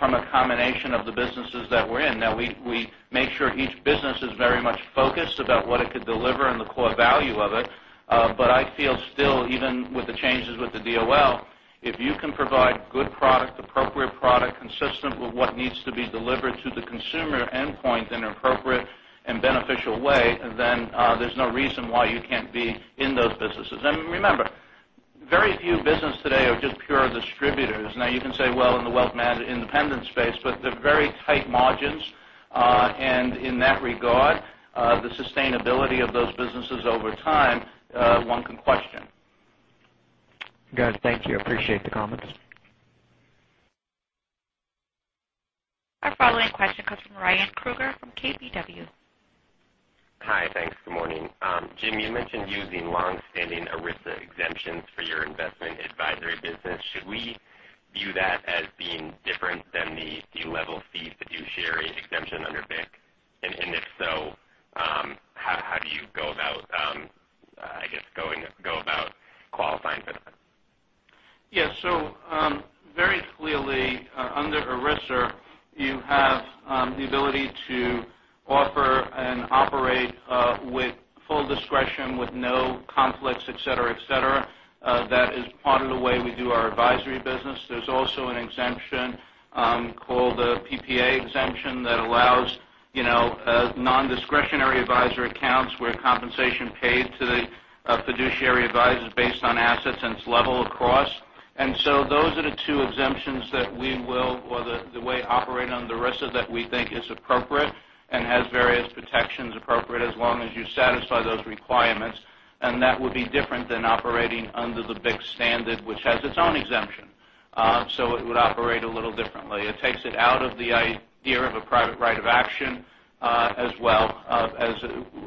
Speaker 3: from a combination of the businesses that we're in. We make sure each business is very much focused about what it could deliver and the core value of it. I feel still, even with the changes with the DOL, if you can provide good product, appropriate product, consistent with what needs to be delivered to the consumer endpoint in an appropriate and beneficial way, then there's no reason why you can't be in those businesses. Remember, very few business today are just pure distributors. You can say, well, in the wealth management independent space, but they're very tight margins. In that regard, the sustainability of those businesses over time, one can question.
Speaker 7: Got it. Thank you. Appreciate the comments.
Speaker 1: Our following question comes from Ryan Krueger from KBW.
Speaker 8: Hi. Thanks. Good morning. Jim, you mentioned using long-standing ERISA exemptions for your investment advisory business. Should we view that as being different than the fee level fees fiduciary exemption under BIC? If so, how do you go about qualifying for that?
Speaker 3: Yes. Very clearly, under ERISA, you have the ability to offer and operate with full discretion, with no conflicts, et cetera. That is part of the way we do our advisory business. There is also an exemption called the PPA exemption that allows non-discretionary advisory accounts where compensation paid to the fiduciary advisor is based on assets, and it is level across. Those are the two exemptions that we will, or the way operate under ERISA that we think is appropriate and has various protections appropriate as long as you satisfy those requirements. That would be different than operating under the BIC standard, which has its own exemption. It would operate a little differently. It takes it out of the idea of a private right of action, as well as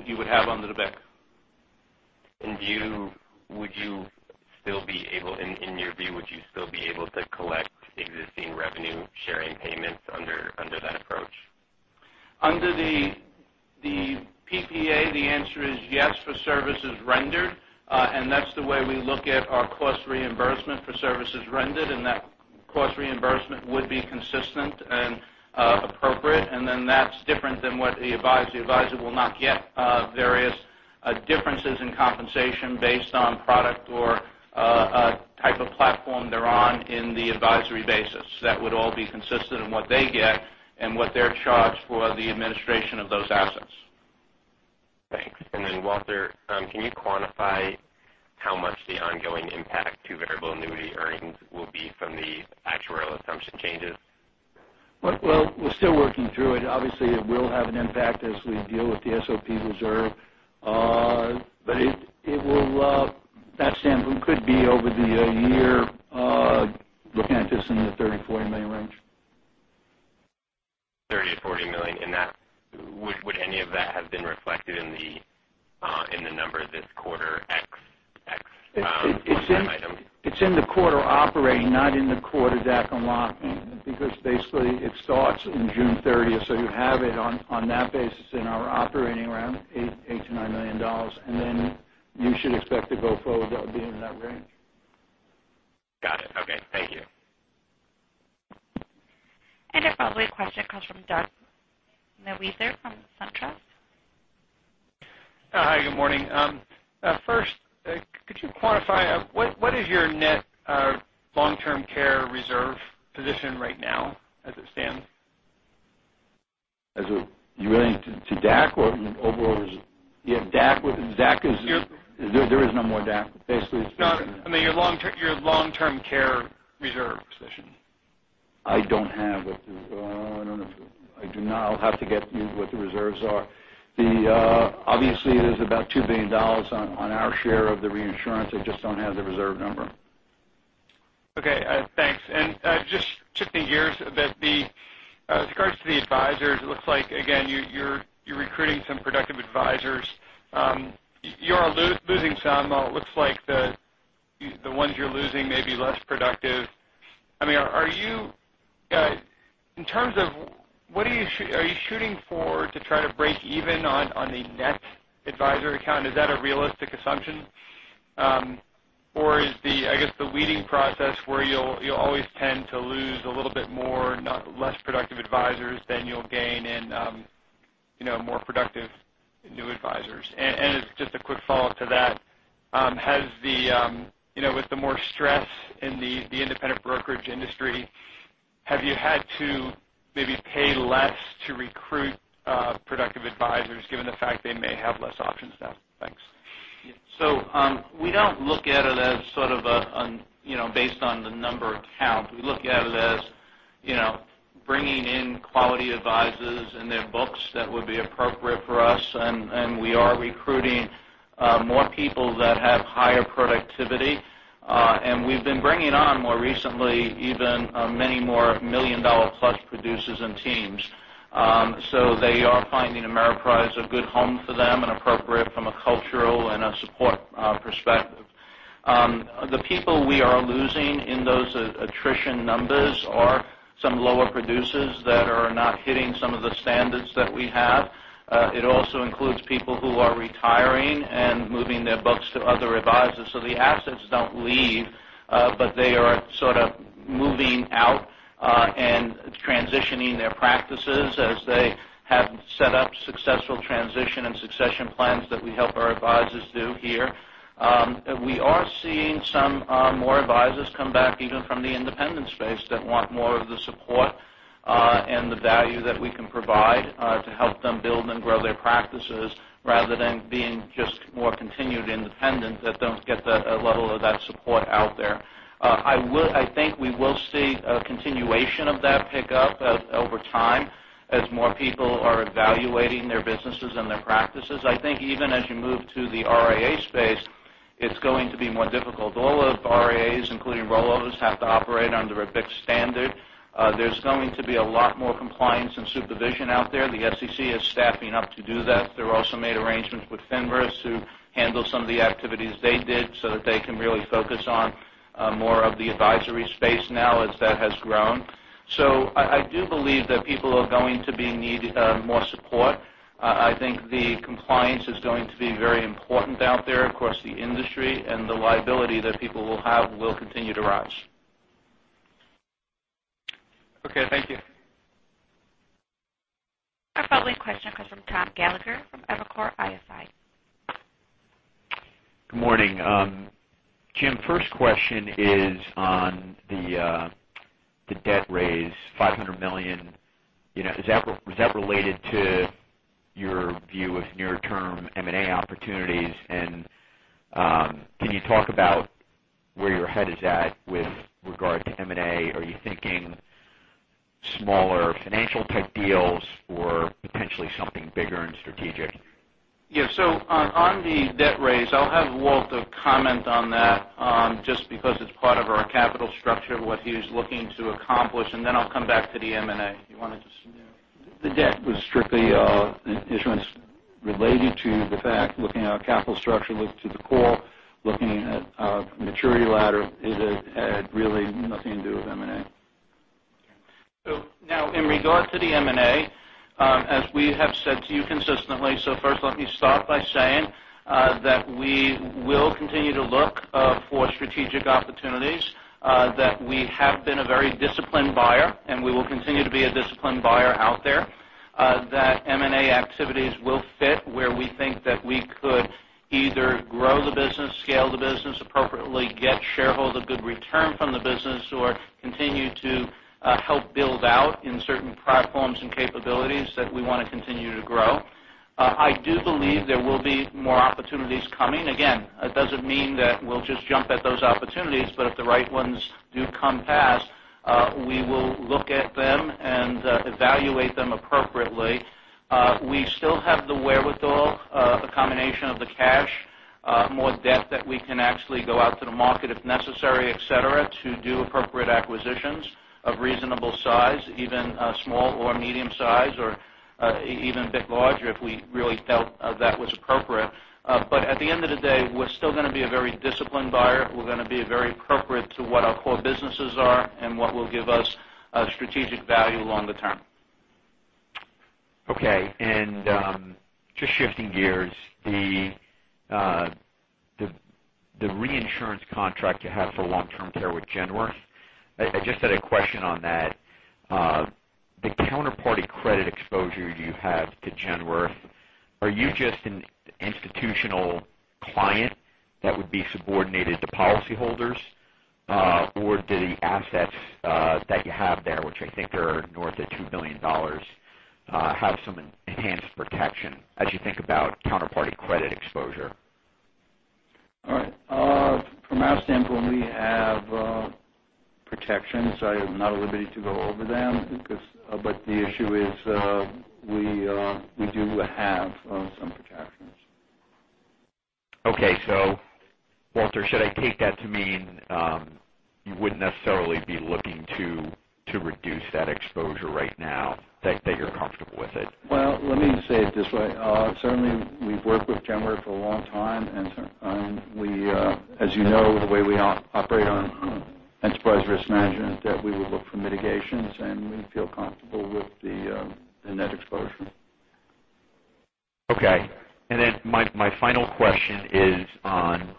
Speaker 3: you would have under the BIC.
Speaker 8: In your view, would you still be able to collect existing revenue sharing payments under that approach?
Speaker 3: Under the PPA, the answer is yes, for services rendered. That's the way we look at our cost reimbursement for services rendered, and that cost reimbursement would be consistent and appropriate. That's different than what the advisor will not get various differences in compensation based on product or type of platform they're on in the advisory basis. That would all be consistent in what they get and what they're charged for the administration of those assets.
Speaker 8: Thanks. Walter, can you quantify how much the ongoing impact to variable annuity earnings will be from the actuarial assumption changes?
Speaker 4: Well, we're still working through it. Obviously, it will have an impact as we deal with the SOP reserve. That sample could be over the year, looking at this in the $30 million-$40 million range.
Speaker 8: $30 million-$40 million. Would any of that have been reflected in the number this quarter, ex one-time items?
Speaker 4: It's in the quarter operating, not in the quarter DAC unlocking, because basically it starts in June 30th. You have it on that basis in our operating around $8 million-$9 million. Then you should expect to go forward, that would be in that range.
Speaker 8: Got it. Okay. Thank you.
Speaker 1: Our following question comes from Doug Mewhirter from SunTrust.
Speaker 9: Hi, good morning. First, could you quantify what is your net long-term care reserve position right now as it stands?
Speaker 4: You mean to DAC or overall? There is no more DAC, basically.
Speaker 9: I mean your long-term care reserve position.
Speaker 4: I don't have it. I do not. I'll have to get you what the reserves are. Obviously, it is about $2 billion on our share of the reinsurance. I just don't have the reserve number.
Speaker 9: Okay. Thanks. Just shifting gears a bit. With regards to the advisors, it looks like, again, you're recruiting some productive advisors. You are losing some, although it looks like the ones you're losing may be less productive. Are you shooting for to try to break even on the net advisor account? Is that a realistic assumption? Is the weeding process where you'll always tend to lose a little bit more less productive advisors than you'll gain in more productive new advisors? As just a quick follow-up to that, with the more stress in the independent brokerage industry, have you had to maybe pay less to recruit productive advisors given the fact they may have less options now? Thanks.
Speaker 3: We don't look at it as sort of based on the number of count. We look at it as bringing in quality advisors and their books that would be appropriate for us. We are recruiting more people that have higher productivity. We've been bringing on, more recently, even many more million-dollar-plus producers and teams. They are finding Ameriprise a good home for them and appropriate from a cultural and a support perspective. The people we are losing in those attrition numbers are some lower producers that are not hitting some of the standards that we have. It also includes people who are retiring and moving their books to other advisors. The assets don't leave, but they are sort of moving out and transitioning their practices as they have set up successful transition and succession plans that we help our advisors do here. We are seeing some more advisors come back, even from the independent space that want more of the support and the value that we can provide to help them build and grow their practices rather than being just more continued independent that don't get that level of that support out there. I think we will see a continuation of that pickup over time as more people are evaluating their businesses and their practices. I think even as you move to the RIA space, it's going to be more difficult. All of RIAs, including rollovers, have to operate under a BIC standard. There's going to be a lot more compliance and supervision out there. The SEC is staffing up to do that. They also made arrangements with FINRA to handle some of the activities they did so that they can really focus on more of the advisory space now as that has grown. I do believe that people are going to need more support. I think the compliance is going to be very important out there across the industry, and the liability that people will have will continue to rise.
Speaker 9: Okay. Thank you.
Speaker 1: Our following question comes from Tom Gallagher from Evercore ISI.
Speaker 10: Good morning. Jim, first question is on the debt raise, $500 million. Was that related to your view of near-term M&A opportunities? Can you talk about where your head is at with regard to M&A? Are you thinking smaller financial type deals or potentially something bigger and strategic?
Speaker 3: On the debt raise, I'll have Walter comment on that, just because it's part of our capital structure, what he was looking to accomplish, and then I'll come back to the M&A. You want to just
Speaker 4: The debt was strictly an issuance related to the fact, looking at our capital structure, looking to the core, looking at our maturity ladder. It had really nothing to do with M&A.
Speaker 3: In regard to the M&A, as we have said to you consistently, first let me start by saying that we will continue to look for strategic opportunities, that we have been a very disciplined buyer, and we will continue to be a disciplined buyer out there. M&A activities will fit where we think that we could either grow the business, scale the business appropriately, get shareholder good return from the business, or continue to help build out in certain platforms and capabilities that we want to continue to grow. I do believe there will be more opportunities coming. Again, it doesn't mean that we'll just jump at those opportunities, but if the right ones do come past, we will look at them and evaluate them appropriately. We still have the wherewithal, a combination of the cash, more debt that we can actually go out to the market if necessary, et cetera, to do appropriate acquisitions of reasonable size, even small or medium size or even a bit larger if we really felt that was appropriate. At the end of the day, we're still going to be a very disciplined buyer. We're going to be very appropriate to what our core businesses are and what will give us strategic value longer term.
Speaker 10: Okay. Just shifting gears, the reinsurance contract you have for long-term care with Genworth, I just had a question on that. The counterparty credit exposure you have to Genworth, are you just an institutional client that would be subordinated to policy holders? Or do the assets that you have there, which I think are north of $2 billion, have some enhanced protection as you think about counterparty credit exposure?
Speaker 4: All right. From our standpoint, we have protections. I have not a liberty to go over them. The issue is, we do have some protections.
Speaker 10: Okay. Walter Berman, should I take that to mean, you wouldn't necessarily be looking to reduce that exposure right now, that you're comfortable with it?
Speaker 4: Let me say it this way. Certainly, we've worked with Genworth for a long time, and as you know, the way we operate on enterprise risk management, that we would look for mitigations, and we feel comfortable with the net exposure.
Speaker 10: Okay. My final question is on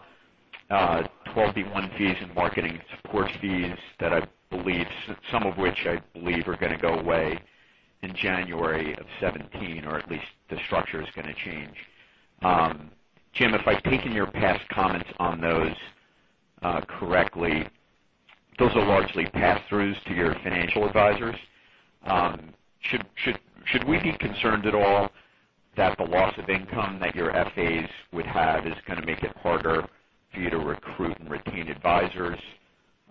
Speaker 10: 12b-1 fees and marketing support fees that I believe some of which I believe are going to go away in January of 2017, or at least the structure is going to change. Jim, if I've taken your past comments on those correctly, those are largely pass-throughs to your financial advisors. Should we be concerned at all that the loss of income that your FAs would have is going to make it harder for you to recruit and retain advisors?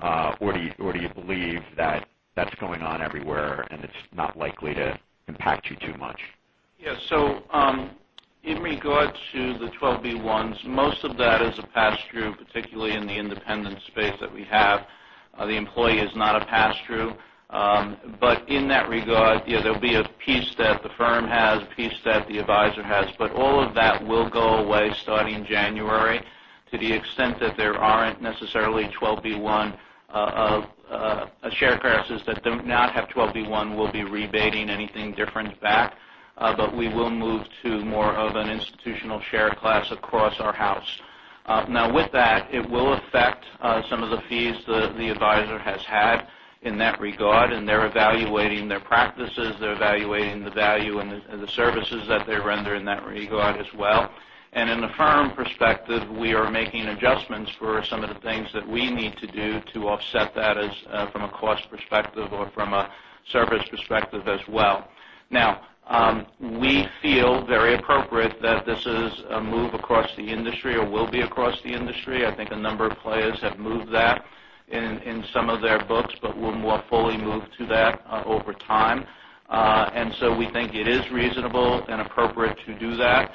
Speaker 10: Do you believe that that's going on everywhere, and it's not likely to impact you too much?
Speaker 3: Yes. In regard to the 12b-1s, most of that is a pass-through, particularly in the independent space that we have. The employee is not a pass-through. In that regard, there'll be a piece that the firm has, a piece that the advisor has. All of that will go away starting January to the extent that there aren't necessarily 12b-1, share classes that do not have 12b-1 will be rebating anything different back. We will move to more of an institutional share class across our house. With that, it will affect some of the fees the advisor has had in that regard, and they're evaluating their practices, they're evaluating the value and the services that they render in that regard as well. In the firm perspective, we are making adjustments for some of the things that we need to do to offset that as from a cost perspective or from a service perspective as well. We feel very appropriate that this is a move across the industry or will be across the industry. I think a number of players have moved that in some of their books, but we'll more fully move to that over time. We think it is reasonable and appropriate to do that.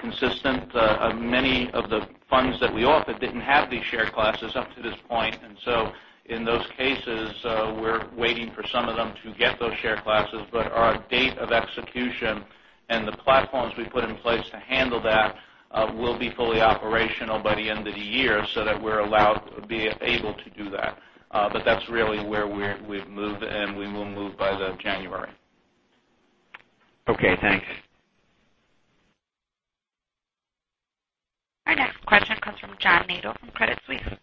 Speaker 3: Consistent of many of the funds that we offer didn't have these share classes up to this point. In those cases, we're waiting for some of them to get those share classes. Our date of execution and the platforms we put in place to handle that will be fully operational by the end of the year so that we're allowed to be able to do that. That's really where we've moved, and we will move by the January.
Speaker 10: Okay, thanks.
Speaker 1: Our next question comes from John Nadel from Credit Suisse.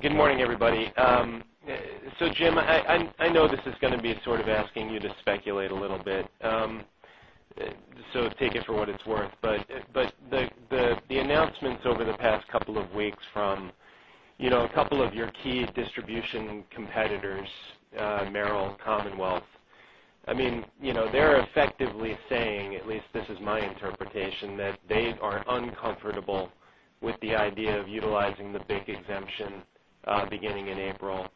Speaker 11: Good morning, everybody. Jim, I know this is going to be sort of asking you to speculate a little bit. Take it for what it's worth. The announcements over the past couple of weeks from a couple of your key distribution competitors, Merrill Lynch and Commonwealth Financial Network. They're effectively saying, at least this is my interpretation, that they are uncomfortable with the idea of utilizing the BIC exemption beginning in April.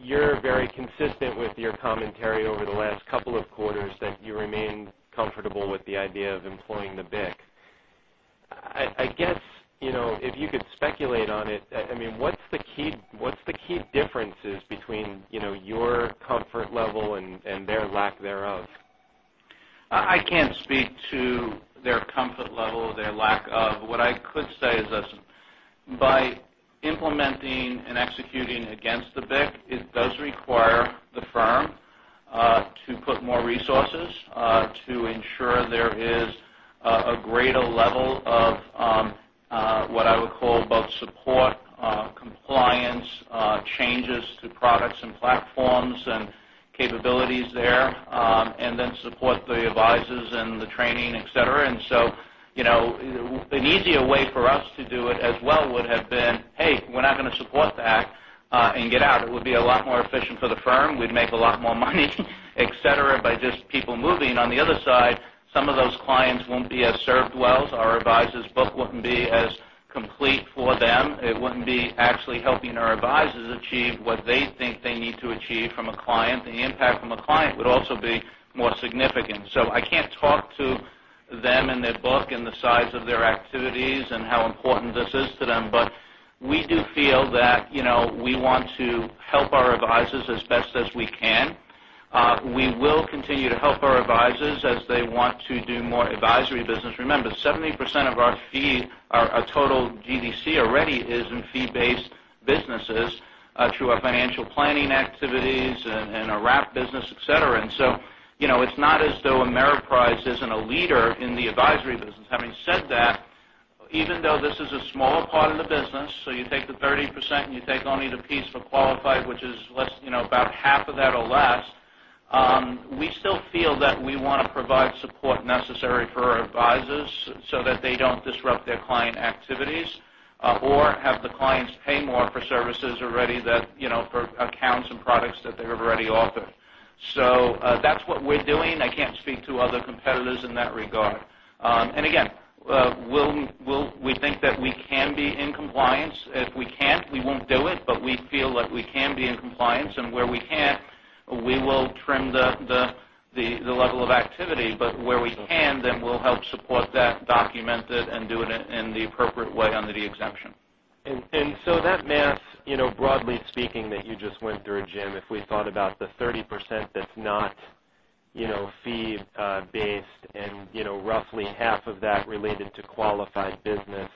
Speaker 11: You're very consistent with your commentary over the last couple of quarters that you remain comfortable with the idea of employing the BIC. I guess, if you could speculate on it, what's the key differences between your comfort level and their lack thereof?
Speaker 3: I can't speak to their comfort level, their lack of. By implementing and executing against the BIC, it does require the firm to put more resources to ensure there is a greater level of what I would call both support, compliance, changes to products and platforms and capabilities there, and then support the advisors and the training, et cetera. An easier way for us to do it as well would have been, "Hey, we're not going to support that," and get out. It would be a lot more efficient for the firm. We'd make a lot more money, et cetera, by just people moving. On the other side, some of those clients won't be as served well. Our advisors' book wouldn't be as complete for them. It wouldn't be actually helping our advisors achieve what they think they need to achieve from a client. The impact from a client would also be more significant. I can't talk to them and their book and the size of their activities and how important this is to them. We do feel that we want to help our advisors as best as we can. We will continue to help our advisors as they want to do more advisory business. Remember, 70% of our fee, our total GDC already is in fee-based businesses through our financial planning activities and our wrap business, et cetera. It's not as though Ameriprise isn't a leader in the advisory business. Having said that, even though this is a smaller part of the business, so you take the 30% and you take only the piece for qualified, which is about half of that or less, we still feel that we want to provide support necessary for our advisors so that they don't disrupt their client activities or have the clients pay more for services for accounts and products that they've already offered. That's what we're doing. I can't speak to other competitors in that regard. Again, we think that we can be in compliance. If we can't, we won't do it, we feel that we can be in compliance, and where we can't, we will trim the level of activity. Where we can, we'll help support that, document it, and do it in the appropriate way under the exemption.
Speaker 11: That math, broadly speaking, that you just went through, Jim, if we thought about the 30% that's not fee-based and roughly half of that related to qualified business,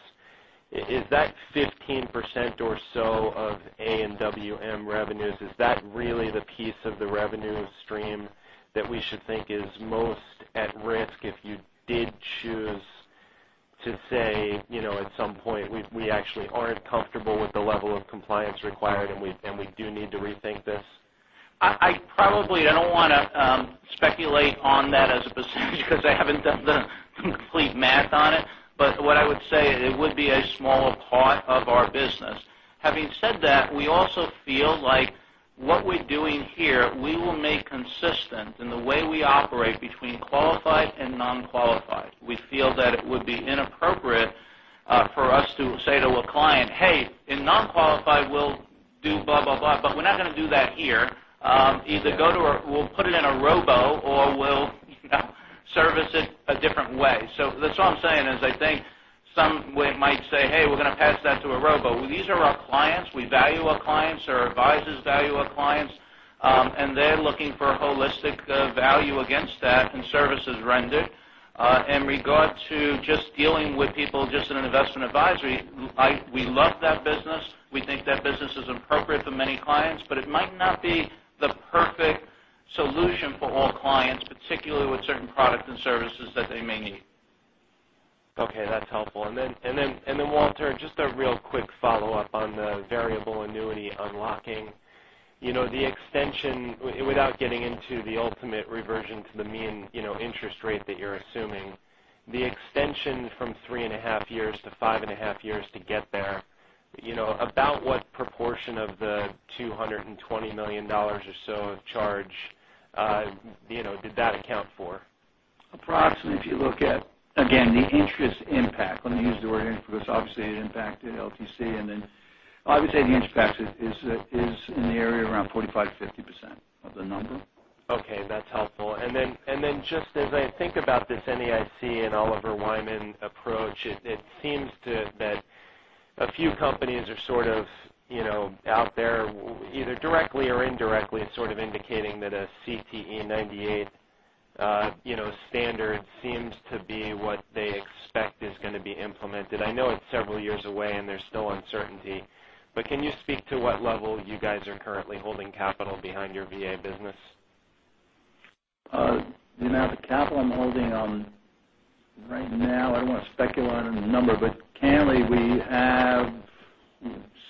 Speaker 11: is that 15% or so of AWM revenues, is that really the piece of the revenue stream that we should think is most at risk if you did choose to say, at some point, we actually aren't comfortable with the level of compliance required, and we do need to rethink this?
Speaker 3: I probably don't want to speculate on that as precisely because I haven't done the complete math on it. What I would say, it would be a smaller part of our business. Having said that, we also feel like what we're doing here, we will make consistent in the way we operate between qualified and non-qualified. We feel that it would be inappropriate for us to say to a client, "Hey, in non-qualified, we'll do blah, blah, but we're not going to do that here. Either we'll put it in a robo or we'll service it a different way." That's all I'm saying is I think some might say, "Hey, we're going to pass that to a robo." These are our clients. We value our clients. Our advisors value our clients. They're looking for holistic value against that and services rendered. In regard to just dealing with people just in an investment advisory, we love that business. We think that business is appropriate for many clients, but it might not be the perfect solution for all clients, particularly with certain products and services that they may need.
Speaker 11: Okay, that's helpful. Walter, just a real quick follow-up on the variable annuity unlocking. Without getting into the ultimate reversion to the mean interest rate that you're assuming, the extension from three and a half years to five and a half years to get there, about what proportion of the $220 million or so of charge did that account for?
Speaker 4: Approximately, if you look at, again, the interest impact, let me use the word here because obviously it impacted LTC and then I would say the interest impact is in the area around 45%-50% of the number.
Speaker 11: Okay, that's helpful. Just as I think about this NAIC and Oliver Wyman approach, it seems that a few companies are sort of out there, either directly or indirectly, sort of indicating that a CTE 98 standard seems to be what they expect is going to be implemented. I know it's several years away, and there's still uncertainty. Can you speak to what level you guys are currently holding capital behind your VA business?
Speaker 4: The amount of capital I'm holding right now, I don't want to speculate on any number, but currently we have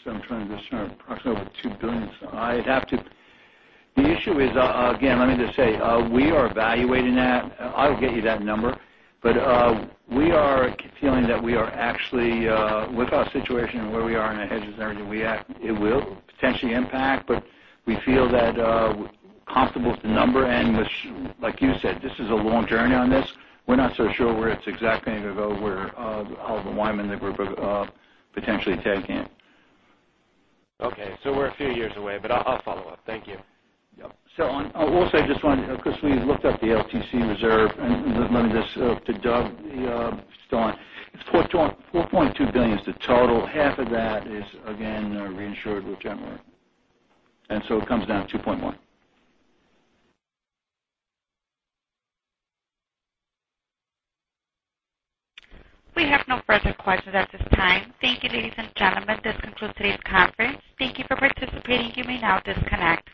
Speaker 4: some transition, approximately over $2 billion. The issue is, again, let me just say, we are evaluating that. I'll get you that number. We are feeling that we are actually, with our situation and where we are in our hedges area, it will potentially impact, but we feel that comfortable with the number and like you said, this is a long journey on this. We're not so sure where it's exactly going to go, where Oliver Wyman, the group, are potentially taking it.
Speaker 11: Okay, we're a few years away, but I'll follow up. Thank you.
Speaker 4: Yep. I will say, just wanted to, because we looked up the LTC reserve, and let me just, to Doug, it's $4.2 billion is the total. Half of that is again reinsured with Genworth. It comes down to $2.1 billion.
Speaker 1: We have no further questions at this time. Thank you, ladies and gentlemen. This concludes today's conference. Thank you for participating. You may now disconnect.